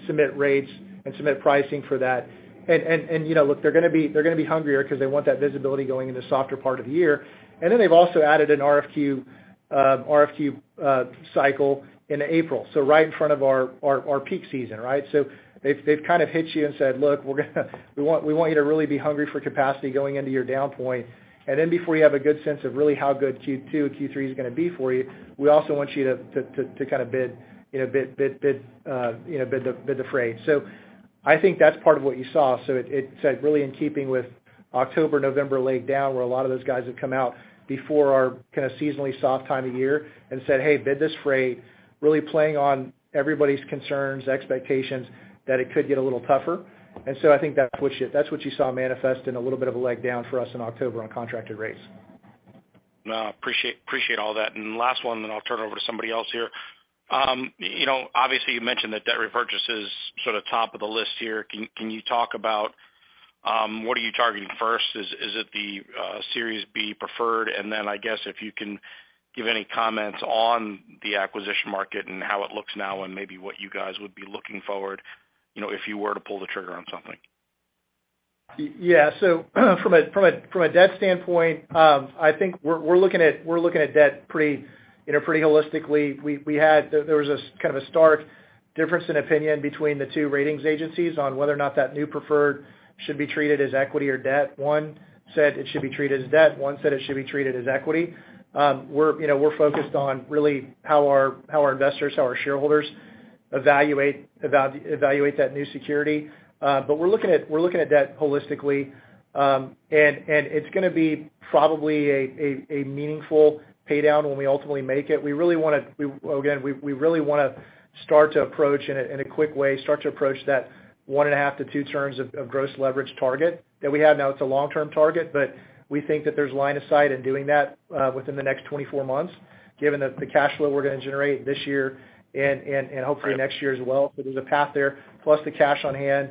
submit rates and submit pricing for that. You know, look, they're gonna be hungrier 'cause they want that visibility going into softer part of the year. They've also added an RFQ cycle into April, so right in front of our peak season, right? They've kind of hit you and said, "Look, we're gonna we want you to really be hungry for capacity going into your down point. Before you have a good sense of really how good Q2 or Q3 is gonna be for you, we also want you to kind of bid the freight." I think that's part of what you saw. It said really in keeping with October, November leg down, where a lot of those guys have come out before our kind of seasonally soft time of year and said, "Hey, bid this freight," really playing on everybody's concerns, expectations that it could get a little tougher. I think that's what you saw manifest in a little bit of a leg down for us in October on contracted rates. No, appreciate all that. Last one then I'll turn it over to somebody else here. You know, obviously, you mentioned that debt repurchase is sort of top of the list here. Can you talk about what are you targeting first? Is it the Series B preferred? Then I guess if you can give any comments on the acquisition market and how it looks now and maybe what you guys would be looking forward, you know, if you were to pull the trigger on something. Yeah. From a debt standpoint, I think we're looking at debt pretty, you know, pretty holistically. There was this kind of a stark difference in opinion between the two ratings agencies on whether or not that new preferred should be treated as equity or debt. One said it should be treated as debt, one said it should be treated as equity. We're, you know, we're focused on really how our investors, how our shareholders evaluate that new security. But we're looking at debt holistically. And it's gonna be probably a meaningful paydown when we ultimately make it. We really wanna start to approach in a quick way, start to approach that 1.5 to 2 terms of gross leverage target that we have. It's a long-term target, but we think that there's line of sight in doing that within the next 24 months, given the cash flow we're gonna generate this year and hopefully next year as well. There's a path there. Plus the cash on hand,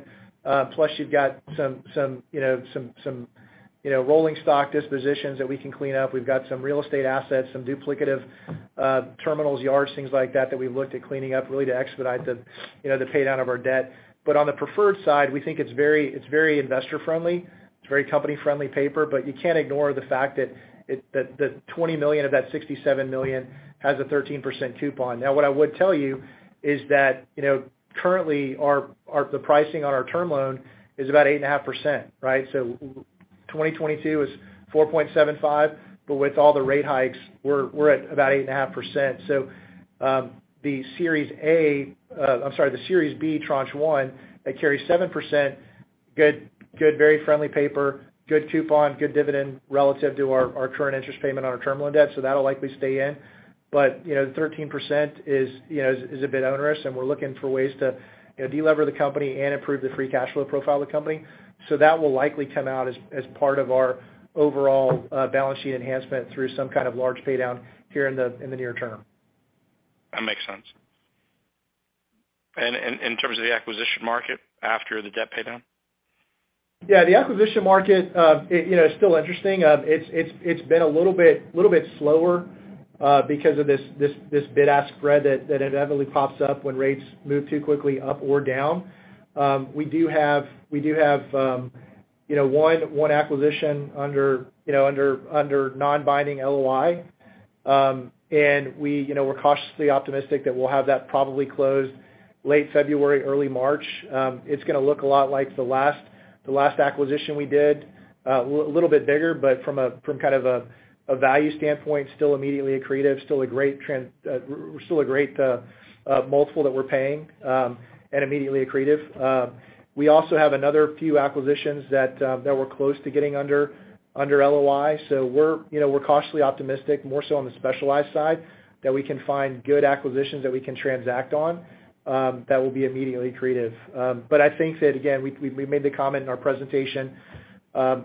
plus you've got some, you know, some, you know, rolling stock dispositions that we can clean up. We've got some real estate assets, some duplicative terminals, yards, things like that we've looked at cleaning up really to expedite the, you know, paydown of our debt. On the preferred side, we think it's very investor friendly, it's very company friendly paper, but you can't ignore the fact that that $20 million of that $67 million has a 13% coupon. What I would tell you is that, you know, currently our the pricing on our term loan is about 8.5%, right? 2022 was 4.75%, but with all the rate hikes, we're at about 8.5%. The Series A, I'm sorry, the Series B Tranche One that carries 7%, good, very friendly paper, good coupon, good dividend relative to our current interest payment on our term loan debt, so that'll likely stay in. You know, the 13% is, you know, is a bit onerous, and we're looking for ways to, you know, de-lever the company and improve the free cash flow profile of the company. That will likely come out as part of our overall balance sheet enhancement through some kind of large paydown here in the, in the near term. That makes sense. In terms of the acquisition market after the debt paydown? The acquisition market, you know, it's still interesting. It's been a little bit slower because of this bid-ask spread that inevitably pops up when rates move too quickly up or down. We do have, you know, one acquisition under non-binding LOI. We, you know, we're cautiously optimistic that we'll have that probably closed late February, early March. It's gonna look a lot like the last acquisition we did. A little bit bigger, but from a kind of a value standpoint, still immediately accretive, still a great trend, still a great multiple that we're paying, and immediately accretive. We also have another few acquisitions that we're close to getting under LOI. We're, you know, we're cautiously optimistic more so on the specialized side that we can find good acquisitions that we can transact on that will be immediately accretive. I think that, again, we made the comment in our presentation,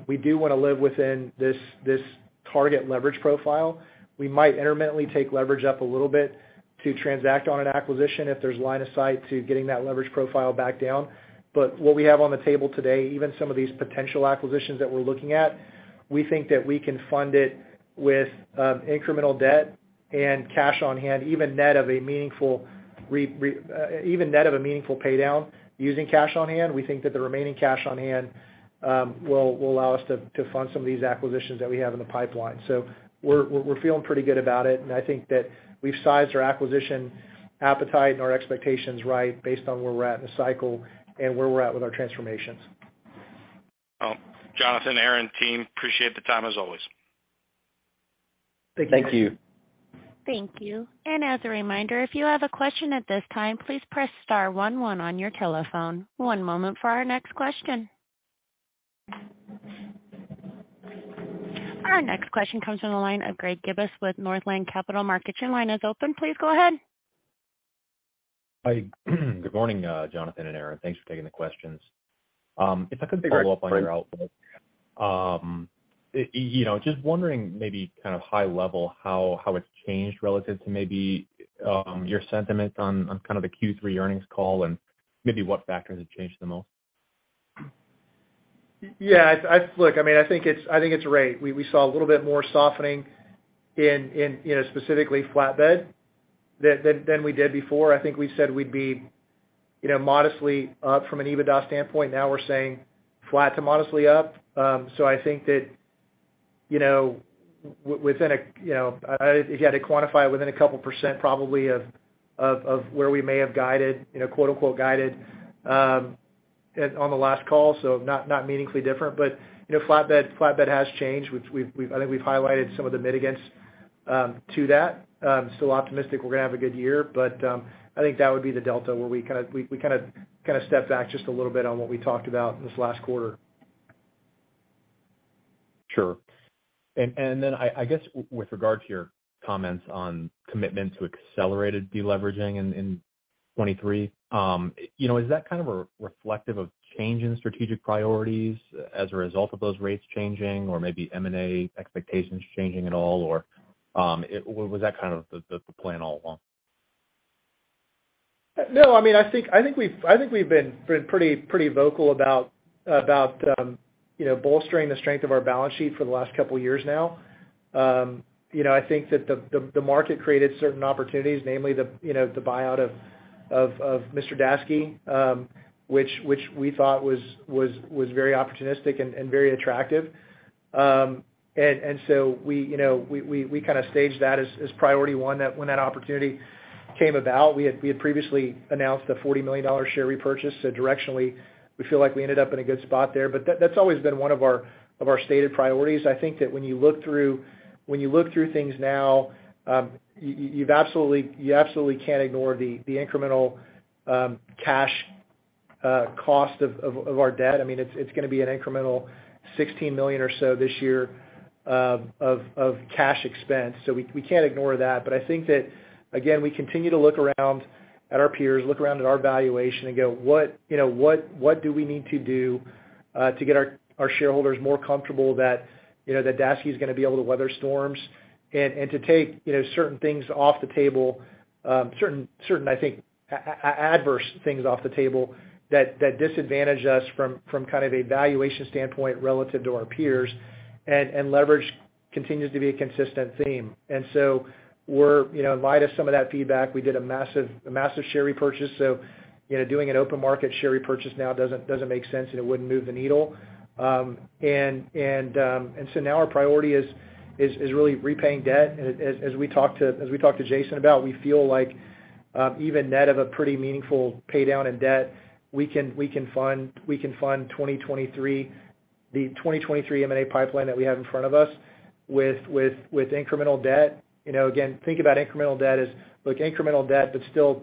we do wanna live within this target leverage profile. We might intermittently take leverage up a little bit to transact on an acquisition if there's line of sight to getting that leverage profile back down. What we have on the table today, even some of these potential acquisitions that we're looking at, we think that we can fund it with incremental debt and cash on hand, even net of a meaningful paydown using cash on hand. We think that the remaining cash on hand, will allow us to fund some of these acquisitions that we have in the pipeline. We're feeling pretty good about it, and I think that we've sized our acquisition appetite and our expectations right based on where we're at in the cycle and where we're at with our transformations. Well, Jonathan, Aaron, team, appreciate the time as always. Thank you. Thank you. As a reminder, if you have a question at this time, please press star one one on your telephone. One moment for our next question. Our next question comes from the line of Greg Gibas with Northland Capital Markets. Your line is open. Please go ahead. Hi. Good morning, Jonathan and Aaron. Thanks for taking the questions. If I could follow up on your outlook. You know, just wondering maybe kind of high level how it's changed relative to maybe, your sentiment on kind of the Q3 earnings call and maybe what factors have changed the most? Yeah. I mean, I think it's right. We saw a little bit more softening in, you know, specifically flatbed than we did before. I think we said we'd be, you know, modestly up from an EBITDA standpoint. Now we're saying flat to modestly up. I think that, you know, within a, you know, if you had to quantify within a couple percent probably of where we may have guided, you know, quote, unquote, "guided," on the last call, not meaningfully different. You know, flatbed has changed, which I think we've highlighted some of the mitigants to that. Still optimistic we're gonna have a good year. I think that would be the delta where we kind of stepped back just a little bit on what we talked about this last quarter. Sure. Then I guess with regard to your comments on commitment to accelerated deleveraging in 2023, you know, is that kind of reflective of change in strategic priorities as a result of those rates changing or maybe M&A expectations changing at all? Was that kind of the plan all along? No. I mean, I think we've been pretty vocal about, you know, bolstering the strength of our balance sheet for the last couple years now. You know, I think that the market created certain opportunities, namely the, you know, the buyout of Mr. Daseke, which we thought was very opportunistic and very attractive. We, you know, we kind of staged that as priority 1. That when that opportunity came about, we had previously announced a $40 million share repurchase. Directionally, we feel like we ended up in a good spot there. That's always been one of our stated priorities. I think that when you look through things now, you absolutely can't ignore the incremental cash cost of our debt. I mean, it's gonna be an incremental $16 million or so this year, of cash expense. We can't ignore that. I think that again, we continue to look around at our peers, look around at our valuation and go, what, you know, what do we need to do to get our shareholders more comfortable that, you know, that Daseke's gonna be able to weather storms and to take, you know, certain things off the table, certain, I think, adverse things off the table that disadvantage us from kind of a valuation standpoint relative to our peers. Leverage continues to be a consistent theme. So we're, you know, in light of some of that feedback, we did a massive share repurchase. You know, doing an open market share repurchase now doesn't make sense, and it wouldn't move the needle. Now our priority is really repaying debt. As we talked to Jason about, we feel like even net of a pretty meaningful pay down in debt, we can fund 2023, the 2023 M&A pipeline that we have in front of us with incremental debt. You know, again, think about incremental debt as, look, incremental debt, but still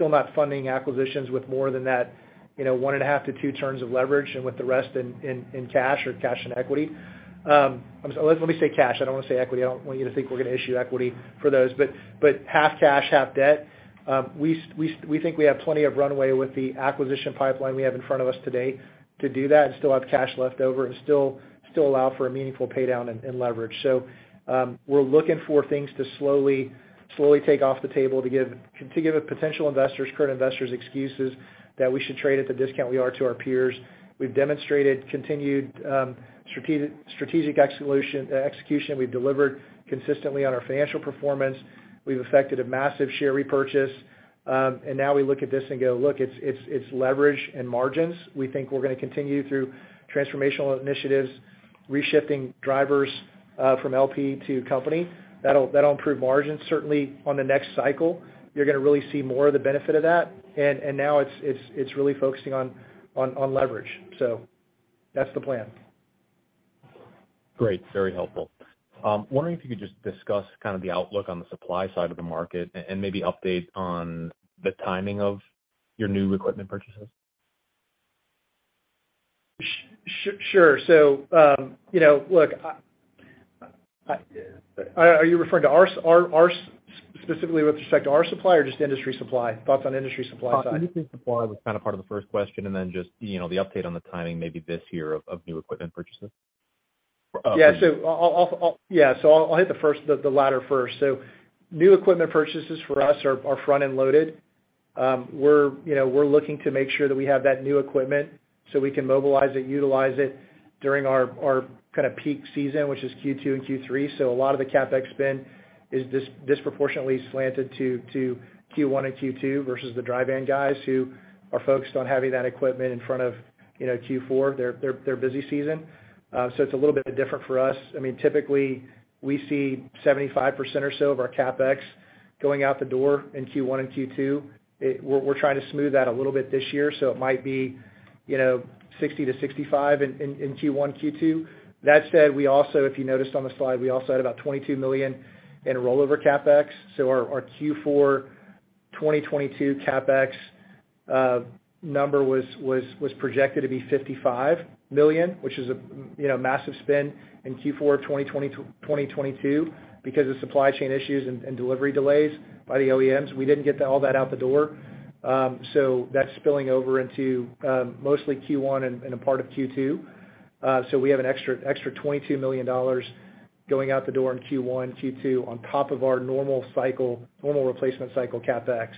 not funding acquisitions with more than that, you know, 1.5 to 2 turns of leverage and with the rest in cash or cash and equity. Let me say cash. I don't wanna say equity. I don't want you to think we're gonna issue equity for those. Half cash, half debt, we think we have plenty of runway with the acquisition pipeline we have in front of us today to do that and still have cash left over and still allow for a meaningful pay down in leverage. We're looking for things to slowly take off the table to give potential investors, current investors excuses that we should trade at the discount we are to our peers. We've demonstrated continued strategic execution. We've delivered consistently on our financial performance. We've affected a massive share repurchase. Now we look at this and go, look, it's leverage and margins. We think we're gonna continue through transformational initiatives, reshipping drivers from LP to company. That'll improve margins certainly on the next cycle. You're gonna really see more of the benefit of that. Now it's really focusing on leverage. That's the plan. Great. Very helpful. Wondering if you could just discuss kind of the outlook on the supply side of the market and maybe update on the timing of your new equipment purchases. Sure. you know, look, Are you referring to our specifically with respect to our supply or just industry supply? Thoughts on industry supply side. Industry supply was kind of part of the first question, and then just, you know, the update on the timing maybe this year of new equipment purchases. Yeah. I'll hit the latter first. New equipment purchases for us are front-end loaded. We're, you know, we're looking to make sure that we have that new equipment so we can mobilize it, utilize it during our kind of peak season, which is Q2 and Q3. A lot of the CapEx spend is disproportionately slanted to Q1 and Q2 versus the dry van guys who are focused on having that equipment in front of, you know, Q4, their busy season. It's a little bit different for us. I mean, typically, we see 75% or so of our CapEx going out the door in Q1 and Q2. We're trying to smooth that a little bit this year, so it might be, you know, $60 million-$65 million in Q1, Q2. That said, we also, if you noticed on the slide, we also had about $22 million in rollover CapEx. Our Q4 2022 CapEx number was projected to be $55 million, which is a, you know, massive spend in Q4 of 2022. Because of supply chain issues and delivery delays by the OEMs, we didn't get all that out the door. That's spilling over into mostly Q1 and a part of Q2. We have an extra $22 million going out the door in Q1, Q2 on top of our normal cycle, normal replacement cycle CapEx,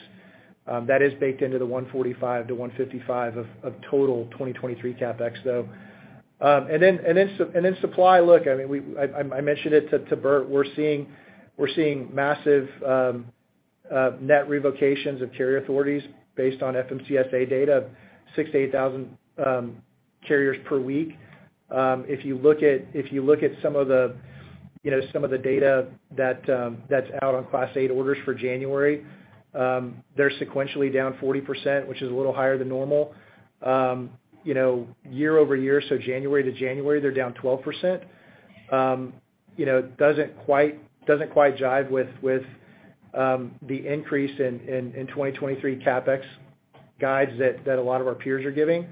that is baked into the $145-$155 of total 2023 CapEx, though. Then supply, look, I mean, I mentioned it to Bert, we're seeing massive net revocations of carrier authorities based on FMCSA data of 6,000 to 8,000 carriers per week. If you look at some of the, you know, some of the data that's out on Class 8 orders for January, they're sequentially down 40%, which is a little higher than normal. You know, year-over-year, January to January, they're down 12%. You know, doesn't quite jive with the increase in 2023 CapEx guides that a lot of our peers are giving.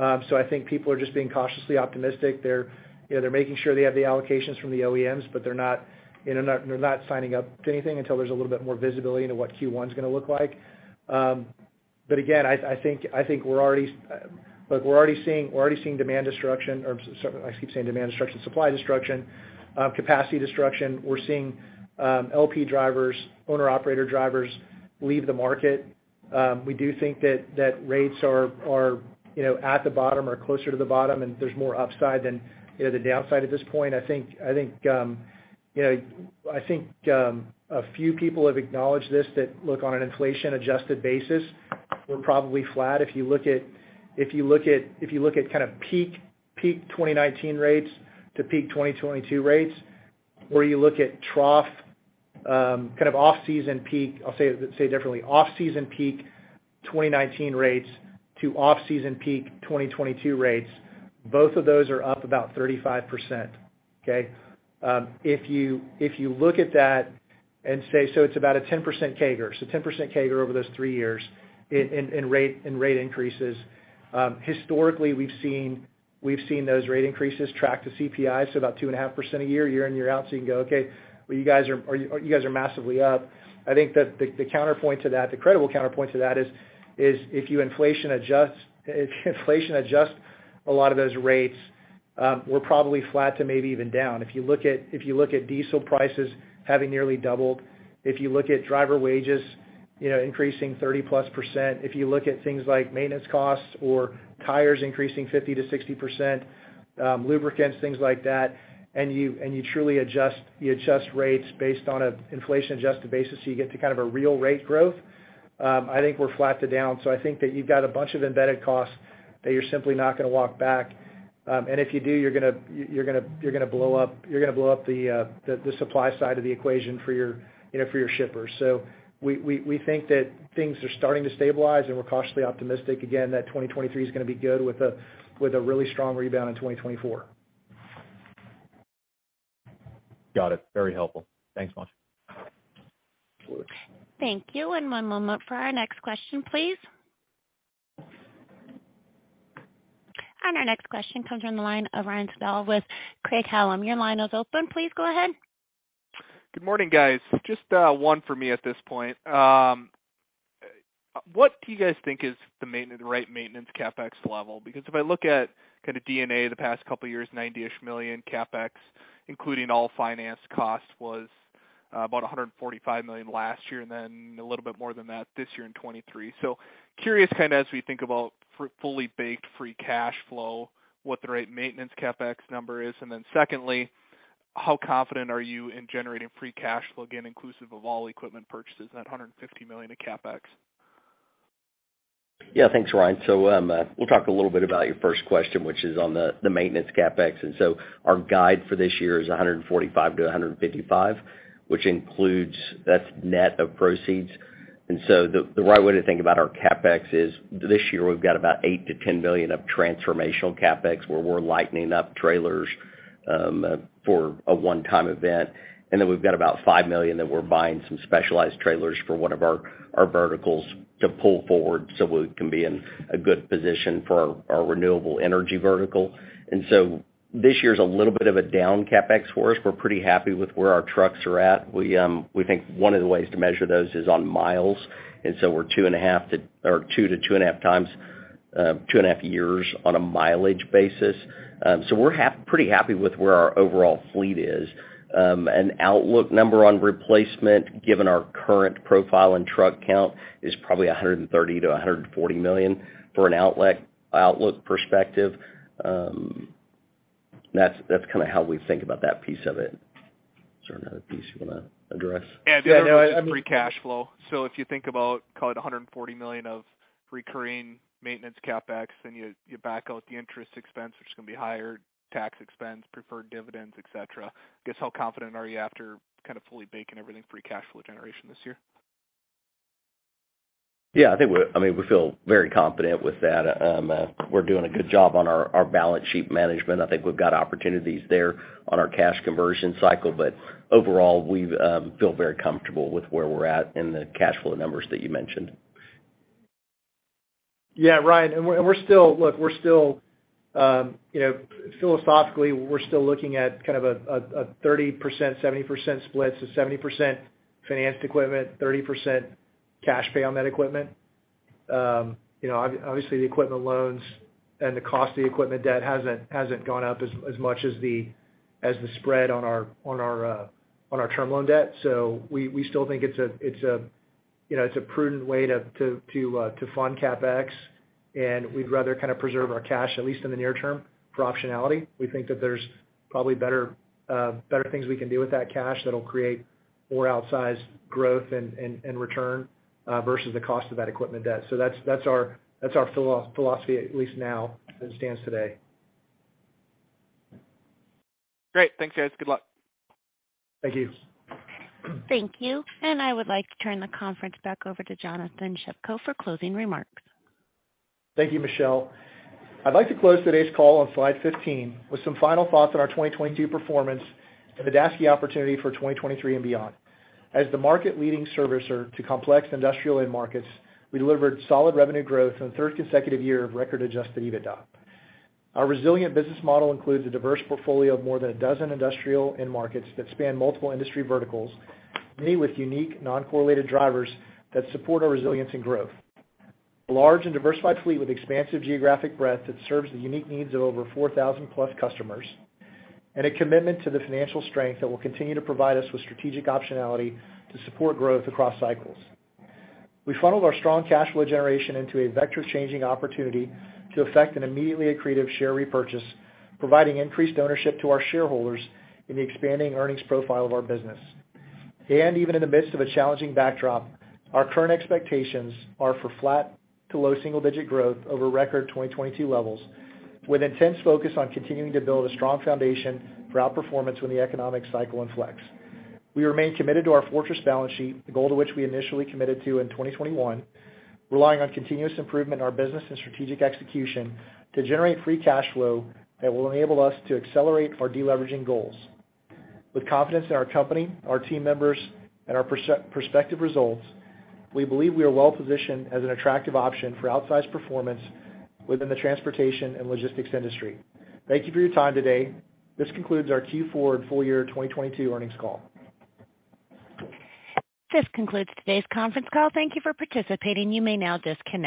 I think people are just being cautiously optimistic. They're, you know, they're making sure they have the allocations from the OEMs, they're not, you know, they're not signing up to anything until there's a little bit more visibility into what Q1 is going to look like. Again, I think we're already seeing demand destruction or I keep saying demand destruction, supply destruction, capacity destruction. We're seeing LP drivers, owner-operator drivers leave the market. We do think that rates are, you know, at the bottom or closer to the bottom, there's more upside than, you know, the downside at this point. I think, you know, I think, a few people have acknowledged this that look on an inflation-adjusted basis, we're probably flat. If you look at kind of peak 2019 rates to peak 2022 rates, or you look at trough, kind of off-season peak. I'll say it differently. Off-season peak 2019 rates to off-season peak 2022 rates, both of those are up about 35%. Okay? If you look at that and say, so it's about a 10% CAGR. 10% CAGR over those 3 years in rate increases. Historically, we've seen those rate increases track to CPI, so about 2.5% a year in, year out. You can go, okay, well, you guys are massively up. I think that the counterpoint to that, the credible counterpoint to that is if you inflation adjust a lot of those rates, we're probably flat to maybe even down. If you look at, if you look at diesel prices having nearly doubled, if you look at driver wages, you know, increasing 30+%, if you look at things like maintenance costs or tires increasing 50%-60%, lubricants, things like that, and you, and you truly adjust, you adjust rates based on an inflation-adjusted basis, so you get to kind of a real rate growth, I think we're flat to down. I think that you've got a bunch of embedded costs that you're simply not gonna walk back. If you do, you're gonna blow up, you're gonna blow up the supply side of the equation for your, you know, for your shippers. We think that things are starting to stabilize, and we're cautiously optimistic again that 2023 is gonna be good with a really strong rebound in 2024. Got it. Very helpful. Thanks much. Thank you. One moment for our next question, please. Our next question comes from the line of Ryan Sigdahl with Craig-Hallum. Your line is open. Please go ahead. Good morning, guys. Just one for me at this point. What do you guys think is the maintenance, right maintenance CapEx level? Because if I look at kinda D&A the past couple of years, $90 million CapEx, including all finance costs, was about $145 million last year, and then a little bit more than that this year in 2023. Curious, kinda as we think about fully baked free cash flow, what the right maintenance CapEx number is. Secondly, how confident are you in generating free cash flow, again, inclusive of all equipment purchases and that $150 million of CapEx? Yeah. Thanks, Ryan. We'll talk a little bit about your first question, which is on the maintenance CapEx. Our guide for this year is $145-$155, which includes that's net of proceeds. The right way to think about our CapEx is this year we've got about $8 billion-$10 billion of transformational CapEx, where we're lightening up trailers for a one-time event. We've got about $5 million that we're buying some specialized trailers for one of our verticals to pull forward so we can be in a good position for our renewable energy vertical. This year's a little bit of a down CapEx for us. We're pretty happy with where our trucks are at. We think one of the ways to measure those is on miles, we're 2.5 years on a mileage basis. We're pretty happy with where our overall fleet is. An outlook number on replacement, given our current profile and truck count, is probably $130 million-$140 million for an outlook perspective. That's, that's kinda how we think about that piece of it. Is there another piece you wanna address? Yeah. Yeah. No. The other one is free cash flow. If you think about, call it $140 million of recurring maintenance CapEx, you back out the interest expense, which is going to be higher, tax expense, preferred dividends, et cetera. I guess how confident are you after kind of fully baking everything free cash flow generation this year? Yeah. I mean, we feel very confident with that. We're doing a good job on our balance sheet management. I think we've got opportunities there on our cash conversion cycle. Overall, we feel very comfortable with where we're at in the cash flow numbers that you mentioned. Ryan, we're still, look, we're still, you know, philosophically, we're still looking at kind of a 30%, 70% split. 70% financed equipment, 30% cash pay on that equipment. You know, obviously, the equipment loans and the cost of the equipment debt hasn't gone up as much as the spread on our term loan debt. We still think it's a, you know, it's a prudent way to fund CapEx, and we'd rather kind of preserve our cash, at least in the near term, for optionality. We think that there's probably better things we can do with that cash that'll create more outsized growth and return versus the cost of that equipment debt. That's our philosophy, at least now as it stands today. Great. Thanks, guys. Good luck. Thank you. Thank you. I would like to turn the conference back over to Jonathan Shepko for closing remarks. Thank you, Michelle. I'd like to close today's call on slide 15 with some final thoughts on our 2022 performance and the Daseke opportunity for 2023 and beyond. As the market-leading servicer to complex industrial end markets, we delivered solid revenue growth and a third consecutive year of record Adjusted EBITDA. Our resilient business model includes a diverse portfolio of more than a dozen industrial end markets that span multiple industry verticals, many with unique non-correlated drivers that support our resilience and growth. A large and diversified fleet with expansive geographic breadth that serves the unique needs of over 4,000+ customers, and a commitment to the financial strength that will continue to provide us with strategic optionality to support growth across cycles. We funneled our strong cash flow generation into a vector changing opportunity to effect an immediately accretive share repurchase, providing increased ownership to our shareholders in the expanding earnings profile of our business. Even in the midst of a challenging backdrop, our current expectations are for flat to low single-digit growth over record 2022 levels, with intense focus on continuing to build a strong foundation for outperformance when the economic cycle inflects. We remain committed to our fortress balance sheet, the goal to which we initially committed to in 2021, relying on continuous improvement in our business and strategic execution to generate free cash flow that will enable us to accelerate our deleveraging goals. With confidence in our company, our team members, and our prospective results, we believe we are well-positioned as an attractive option for outsized performance within the transportation and logistics industry. Thank you for your time today. This concludes our Q4 and full year 2022 earnings call. This concludes today's conference call. Thank you for participating. You may now disconnect.